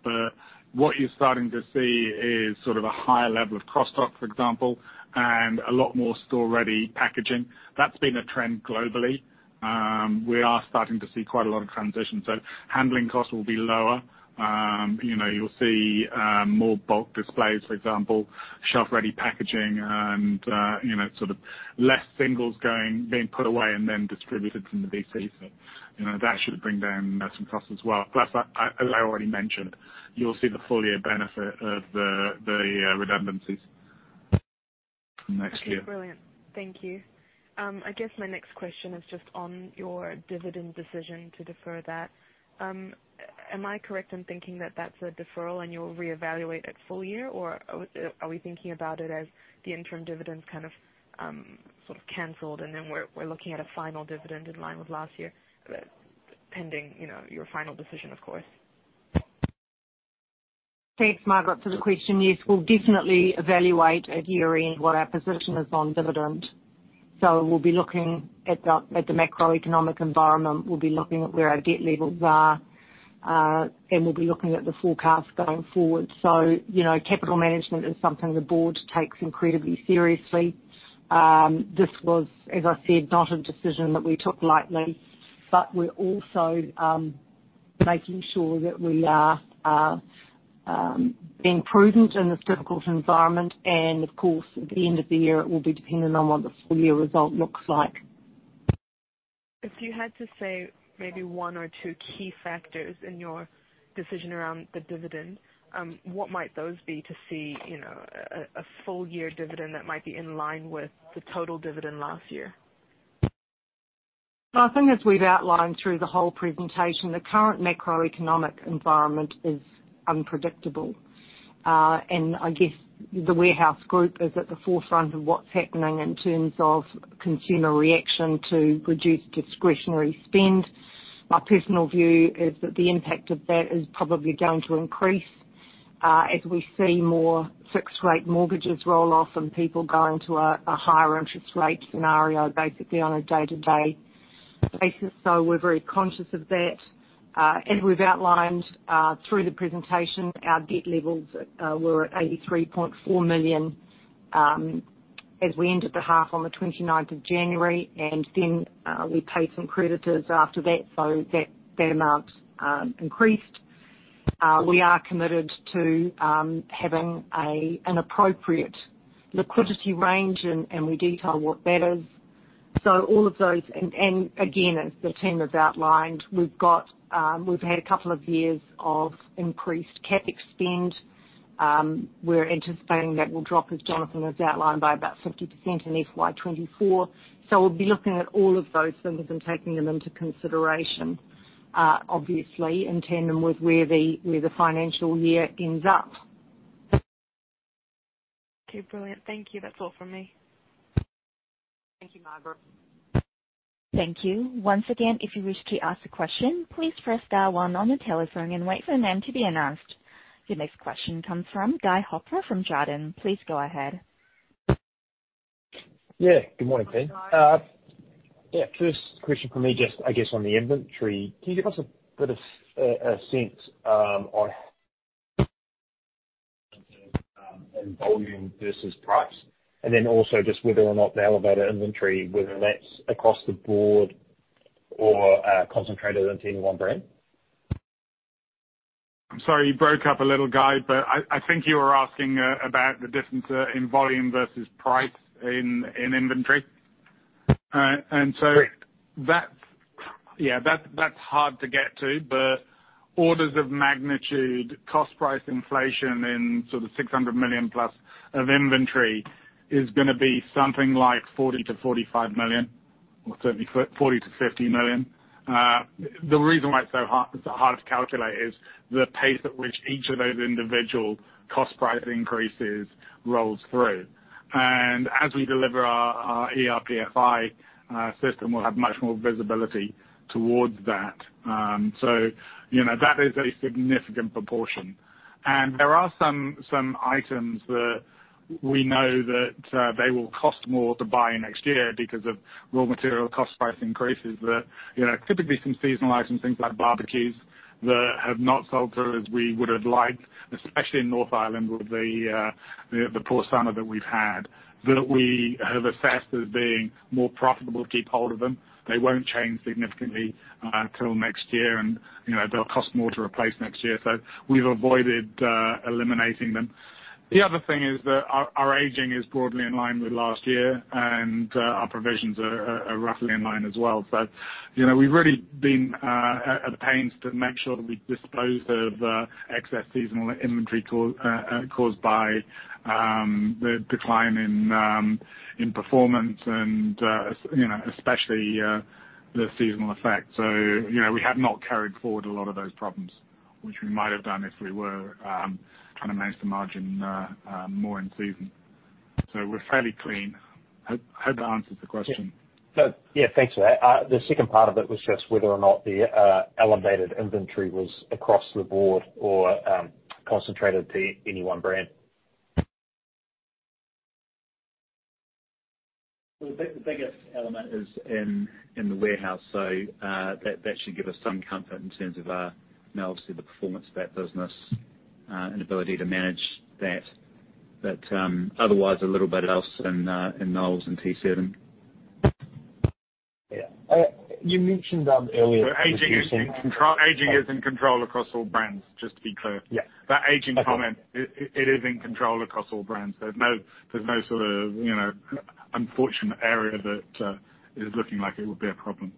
What you're starting to see is sort of a higher level of cross dock, for example, and a lot more store-ready packaging. That's been a trend globally. We are starting to see quite a lot of transition. Handling costs will be lower. You know, you'll see more bulk displays, for example, shelf-ready packaging and, you know, sort of less singles being put away and then distributed from the DC. You know, that should bring down some costs as well. Plus, as I already mentioned, you'll see the full year benefit of the redundancies next year. Okay. Brilliant. Thank you. I guess my next question is just on your dividend decision to defer that. Am I correct in thinking that that's a deferral and you'll reevaluate at full year, or are we thinking about it as the interim dividend kind of, sort of canceled and then we're looking at a final dividend in line with last year, pending, you know, your final decision, of course? Thanks, Margaret, for the question. Yes, we'll definitely evaluate at year-end what our position is on dividend. We'll be looking at the macroeconomic environment, we'll be looking at where our debt levels are, and we'll be looking at the forecast going forward. You know, capital management is something the board takes incredibly seriously. This was, as I said, not a decision that we took lightly, but we're also making sure that we are being prudent in this difficult environment. Of course, at the end of the year it will be dependent on what the full year result looks like. If you had to say maybe one or two key factors in your decision around the dividend, what might those be to see, you know, a full year dividend that might be in line with the total dividend last year? I think as we've outlined through the whole presentation, the current macroeconomic environment is unpredictable. I guess The Warehouse Group is at the forefront of what's happening in terms of consumer reaction to reduced discretionary spend. My personal view is that the impact of that is probably going to increase, as we see more fixed rate mortgages roll off and people go into a higher interest rate scenario, basically on a day-to-day basis. We're very conscious of that. We've outlined, through the presentation, our debt levels, were at 83.4 million, as we ended the half on the 29th of January. Then, we paid some creditors after that, so that amount increased. We are committed to having an appropriate liquidity range and we detail what that is. All of those... Again, as the team has outlined, we've had a couple of years of increased CapEx spend. We're anticipating that will drop, as Jonathan has outlined, by about 50% in FY 2024. We'll be looking at all of those things and taking them into consideration, obviously in tandem with where the financial year ends up. Okay. Brilliant. Thank you. That's all from me. Thank you, Margaret. Thank you. Once again, if you wish to ask a question, please press star one on the telephone and wait for your name to be announced. Your next question comes from Guy Hooper from Jarden. Please go ahead. Yeah. Good morning, team. Good morning. Yeah, first question from me, just I guess on the inventory. Can you give us a bit of a sense on in volume versus price? Also just whether or not the elevated inventory, whether that's across the board or concentrated into any one brand? I'm sorry. You broke up a little Guy, but I think you were asking about the difference in volume versus price in inventory. Correct. That's, yeah, that's hard to get to, but orders of magnitude, cost price inflation in sort of 600 million plus of inventory is gonna be something like 40 million-45 million, or certainly 40 million-50 million. The reason why it's so hard to calculate is the pace at which each of those individual cost price increases rolls through. As we deliver our ERPFI system, we'll have much more visibility towards that. So, you know, that is a significant proportion. There are some items that we know that they will cost more to buy next year because of raw material cost price increases that, you know, typically some seasonal items, things like barbecues, that have not sold through as we would've liked, especially in North Island with the poor summer that we've had. That we have assessed as being more profitable to keep hold of them. They won't change significantly till next year and, you know, they'll cost more to replace next year. We've avoided eliminating them. The other thing is that our aging is broadly in line with last year, and our provisions are roughly in line as well. You know, we've really been at pains to make sure that we dispose of excess seasonal inventory caused by the decline in performance and especially the seasonal effect. You know, we have not carried forward a lot of those problems which we might have done if we were trying to manage the margin more in season. We're fairly clean. Hope that answers the question. yeah, thanks for that. The second part of it was just whether or not the elevated inventory was across the board or concentrated to any one brand. The biggest element is in The Warehouse. That should give us some comfort in terms of, you know, obviously the performance of that business and ability to manage that. Otherwise a little bit else in Knowles and Torpedo7. Yeah. You mentioned earlier. The aging is in control. Aging is in control across all brands, just to be clear. Yeah. That aging comment, it is in control across all brands. There's no sort of, you know, unfortunate area that is looking like it would be a problem.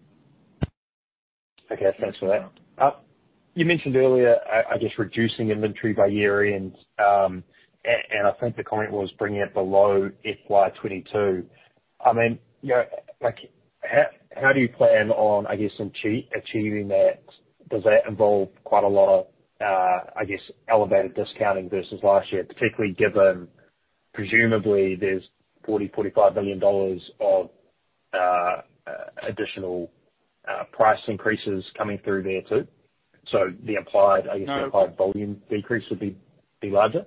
Okay. Thanks for that. You mentioned earlier, just reducing inventory by year-end, and I think the comment was bringing it below FY22. I mean, you know, like, how do you plan on, I guess, achieving that? Does that involve quite a lot of, I guess, elevated discounting versus last year? Particularly given presumably there's 40 million-45 million dollars of additional price increases coming through there too. The applied, I guess... No. the applied volume decrease would be larger?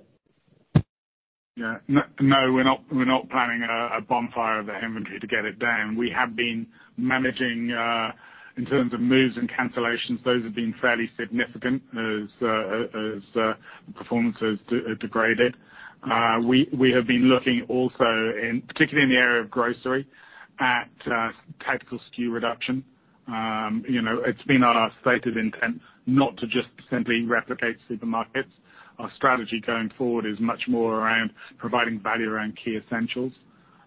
No, we're not planning a bonfire of the inventory to get it down. We have been managing in terms of moves and cancellations, those have been fairly significant as performance has degraded. We have been looking also in, particularly in the area of grocery, at tactical SKU reduction. You know, it's been our stated intent not to just simply replicate supermarkets. Our strategy going forward is much more around providing value around key essentials.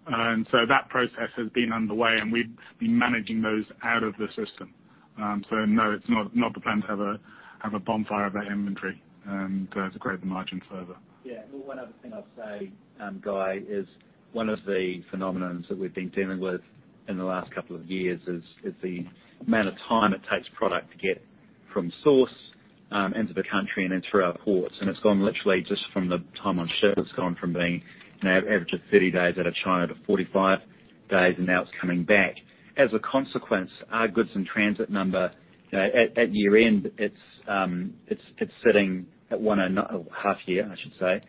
That process has been underway, and we've been managing those out of the system. No, it's not the plan to have a bonfire of our inventory to grow the margin further. Yeah. Well, one other thing I'd say, Guy, is one of the phenomenons that we've been dealing with in the last couple of years is the amount of time it takes product to get from source into the country and in through our ports. It's gone literally just from the time on ship, it's gone from being, you know, average of 30 days out of China to 45 days, and now it's coming back. As a consequence, our goods in transit number, you know, at year-end, it's sitting at Half year, I should say.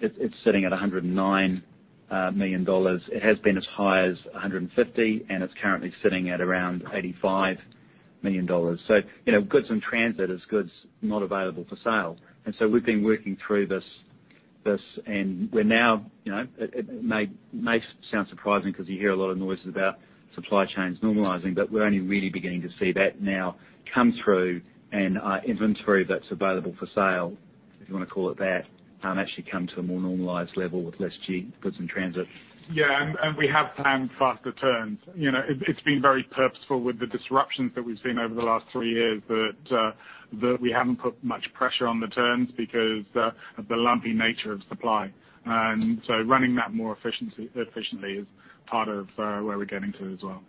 It's sitting at 109 million dollars. It has been as high as 150 million, and it's currently sitting at around 85 million dollars. You know, goods in transit is goods not available for sale. We've been working through this, and we're now, you know. It may sound surprising 'cause you hear a lot of noises about supply chains normalizing, but we're only really beginning to see that now come through and our inventory that's available for sale, if you wanna call it that, actually come to a more normalized level with less goods in transit. Yeah. We have planned faster turns. You know, it's been very purposeful with the disruptions that we've seen over the last three years that we haven't put much pressure on the turns because of the lumpy nature of supply. Running that more efficiency, efficiently is part of where we're getting to as well.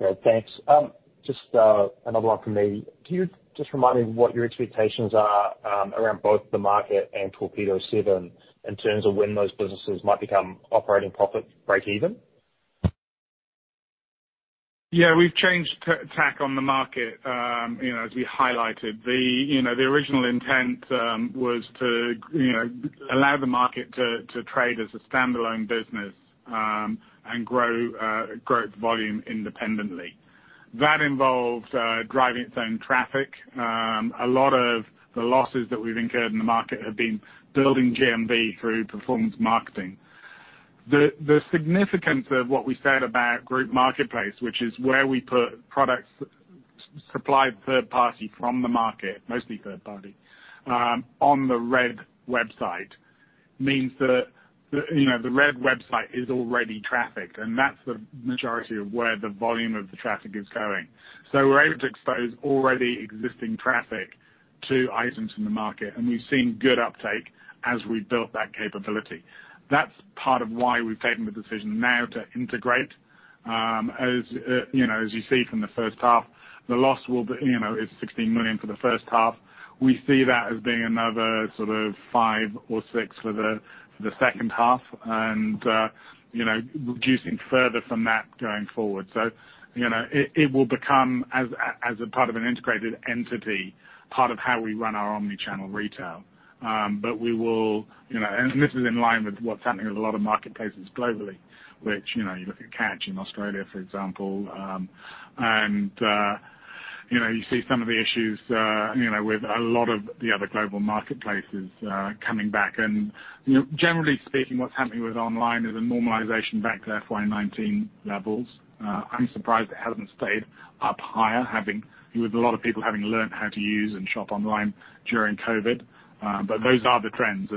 Okay, thanks. Just another one from me. Can you just remind me what your expectations are around both TheMarket and Torpedo7 in terms of when those businesses might become operating profit breakeven? Yeah. We've changed tack on TheMarket.com. You know, as we highlighted, the original intent was to allow TheMarket.com to trade as a standalone business and grow its volume independently. That involved driving its own traffic. A lot of the losses that we've incurred in TheMarket.com have been building GMV through performance marketing. The significance of what we said about Group Marketplace, which is where we put products supplied third party from TheMarket.com, mostly third party, on The Warehouse website, means that The Warehouse website is already trafficked, and that's the majority of where the volume of the traffic is going. We're able to expose already existing traffic to items in the market, and we've seen good uptake as we built that capability. That's part of why we've taken the decision now to integrate. As you see from the first half, the loss will be is 16 million for the first half. We see that as being another sort of 5 million or 6 million for the second half. Reducing further from that going forward. It will become as a part of an integrated entity, part of how we run our omni-channel retail. We will. This is in line with what's happening with a lot of marketplaces globally, which, you look at Catch in Australia, for example. You see some of the issues with a lot of the other global marketplaces coming back. Generally speaking, what's happening with online is a normalization back to FY19 levels. I'm surprised it hasn't stayed up higher, with a lot of people having learned how to use and shop online during COVID. Those are the trends.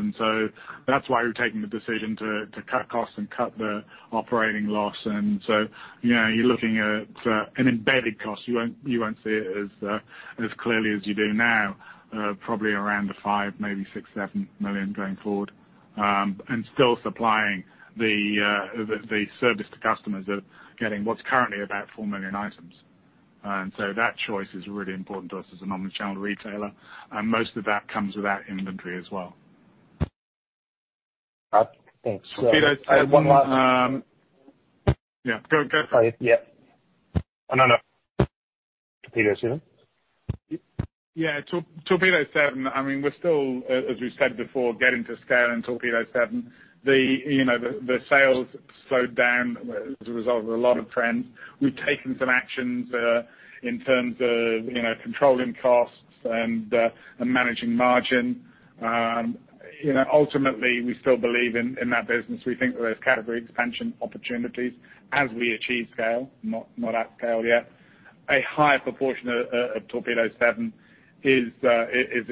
That's why we've taken the decision to cut costs and cut the operating loss. You're looking at an embedded cost. You won't see it as clearly as you do now. Probably around 5 million, maybe 6 million, 7 million going forward. Still supplying the service to customers that are getting what's currently about 4 million items. That choice is really important to us as an omni-channel retailer. Most of that comes with that inventory as well. thanks. Torpedo7. I have one. Yeah. Go, go for it. Yeah. No, no. Torpedo7? Yeah. Torpedo7, I mean, we're still, as we said before, getting to scale in Torpedo7. The sales slowed down as a result of a lot of trends. We've taken some actions, in terms of, you know, controlling costs and managing margin. You know, ultimately, we still believe in that business. We think there's category expansion opportunities as we achieve scale. Not at scale yet. A higher proportion of Torpedo7 is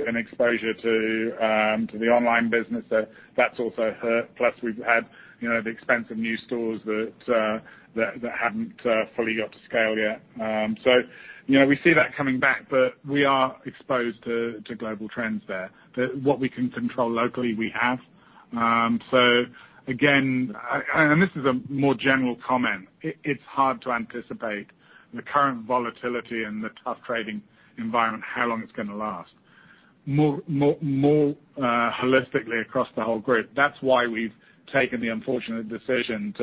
an exposure to the online business. That's also hurt. Plus we've had, you know, the expense of new stores that haven't fully got to scale yet. You know, we see that coming back, but we are exposed to global trends there. What we can control locally, we have. Again, this is a more general comment. It's hard to anticipate the current volatility and the tough trading environment, how long it's gonna last. More holistically across the whole group, that's why we've taken the unfortunate decision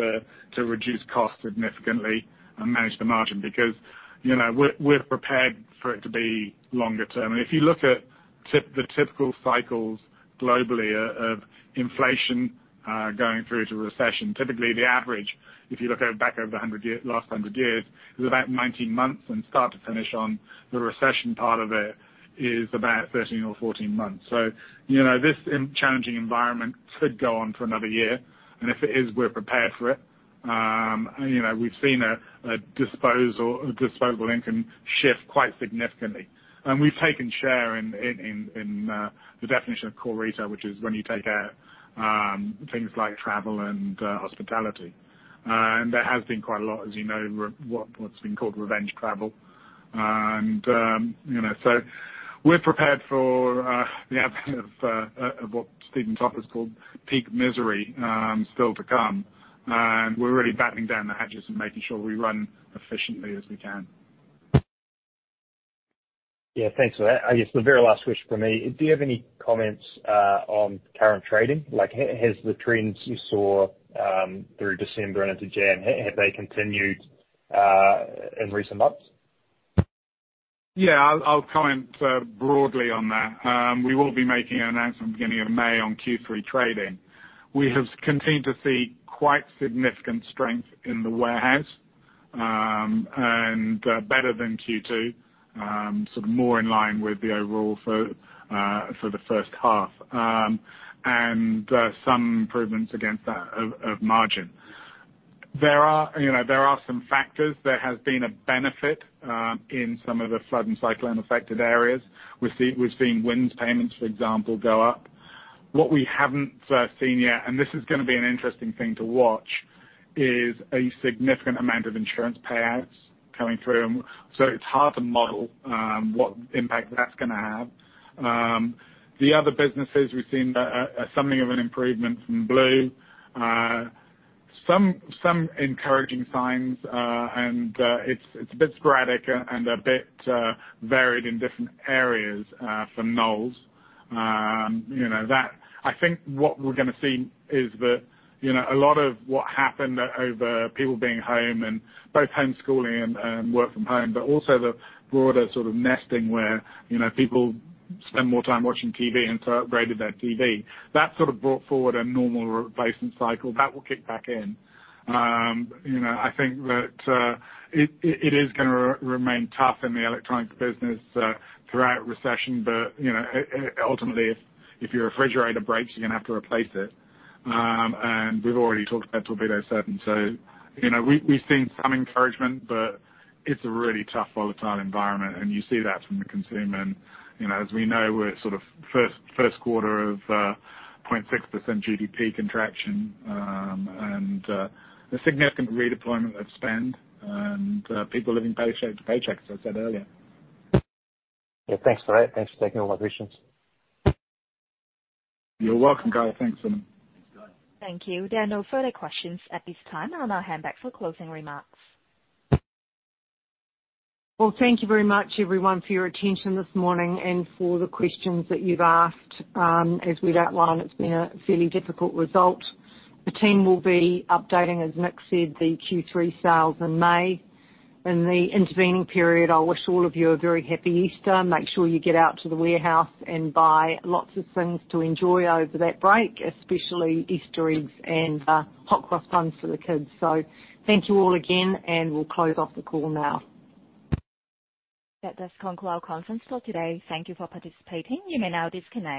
to reduce costs significantly and manage the margin because, you know, we're prepared for it to be longer term. If you look at the typical cycles globally of inflation, going through to recession, typically the average, if you look at back over last 100 years, is about 19 months from start to finish on the recession part of it is about 13 or 14 months. You know, this challenging environment could go on for another year, and if it is, we're prepared for it. You know, we've seen a disposable income shift quite significantly. We've taken share in the definition of core retail, which is when you take out things like travel and hospitality. There has been quite a lot, as you know, what's been called revenge travel. You know, so we're prepared for the advent of what Joshua Topolsky called peak misery still to come. We're really battening down the hatches and making sure we run efficiently as we can. Yeah. Thanks for that. I guess the very last wish for me. Do you have any comments on current trading? Like, has the trends you saw through December and into Jan, have they continued in recent months? I'll comment broadly on that. We will be making an announcement beginning of May on Q3 trading. We have continued to see quite significant strength in The Warehouse, and better than Q2. Sort of more in line with the overall for the first half. Some improvements against that of margin. There are, you know, there are some factors. There has been a benefit in some of the flood and Cyclone affected areas. We've seen WINZ payments, for example, go up. What we haven't seen yet, and this is gonna be an interesting thing to watch, is a significant amount of insurance payouts coming through. It's hard to model what impact that's gonna have. The other businesses we've seen a something of an improvement from Blue. Some, some encouraging signs, and it's a bit sporadic and a bit varied in different areas, from Knowles. You know, I think what we're gonna see is the, you know, a lot of what happened over people being home and both homeschooling and work from home, but also the broader sort of nesting where, you know, people spend more time watching TV and so upgraded their TV. That sort of brought forward a normal replacement cycle. That will kick back in. You know, I think that it is gonna remain tough in the electronics business throughout recession, but, you know, ultimately if your refrigerator breaks, you're gonna have to replace it. And we've already talked about Torpedo7. You know, we've seen some encouragement, but it's a really tough volatile environment. You see that from the consumer. You know, as we know, we're sort of first quarter of 0.6% GDP contraction. And the significant redeployment of spend and people living paycheck to paycheck, as I said earlier. Yeah. Thanks for that. Thanks for taking all my questions. You're welcome, Guy. Thanks. Thanks, Guy. Thank you. There are no further questions at this time. I'll now hand back for closing remarks. Thank you very much everyone for your attention this morning, and for the questions that you've asked. As we've outlined, it's been a fairly difficult result. The team will be updating, as Nick said, the Q3 sales in May. In the intervening period, I'll wish all of you a very happy Easter. Make sure you get out to The Warehouse and buy lots of things to enjoy over that break, especially Easter eggs and hot cross buns for the kids. Thank you all again, and we'll close off the call now. That does conclude our conference call today. Thank you for participating. You may now disconnect.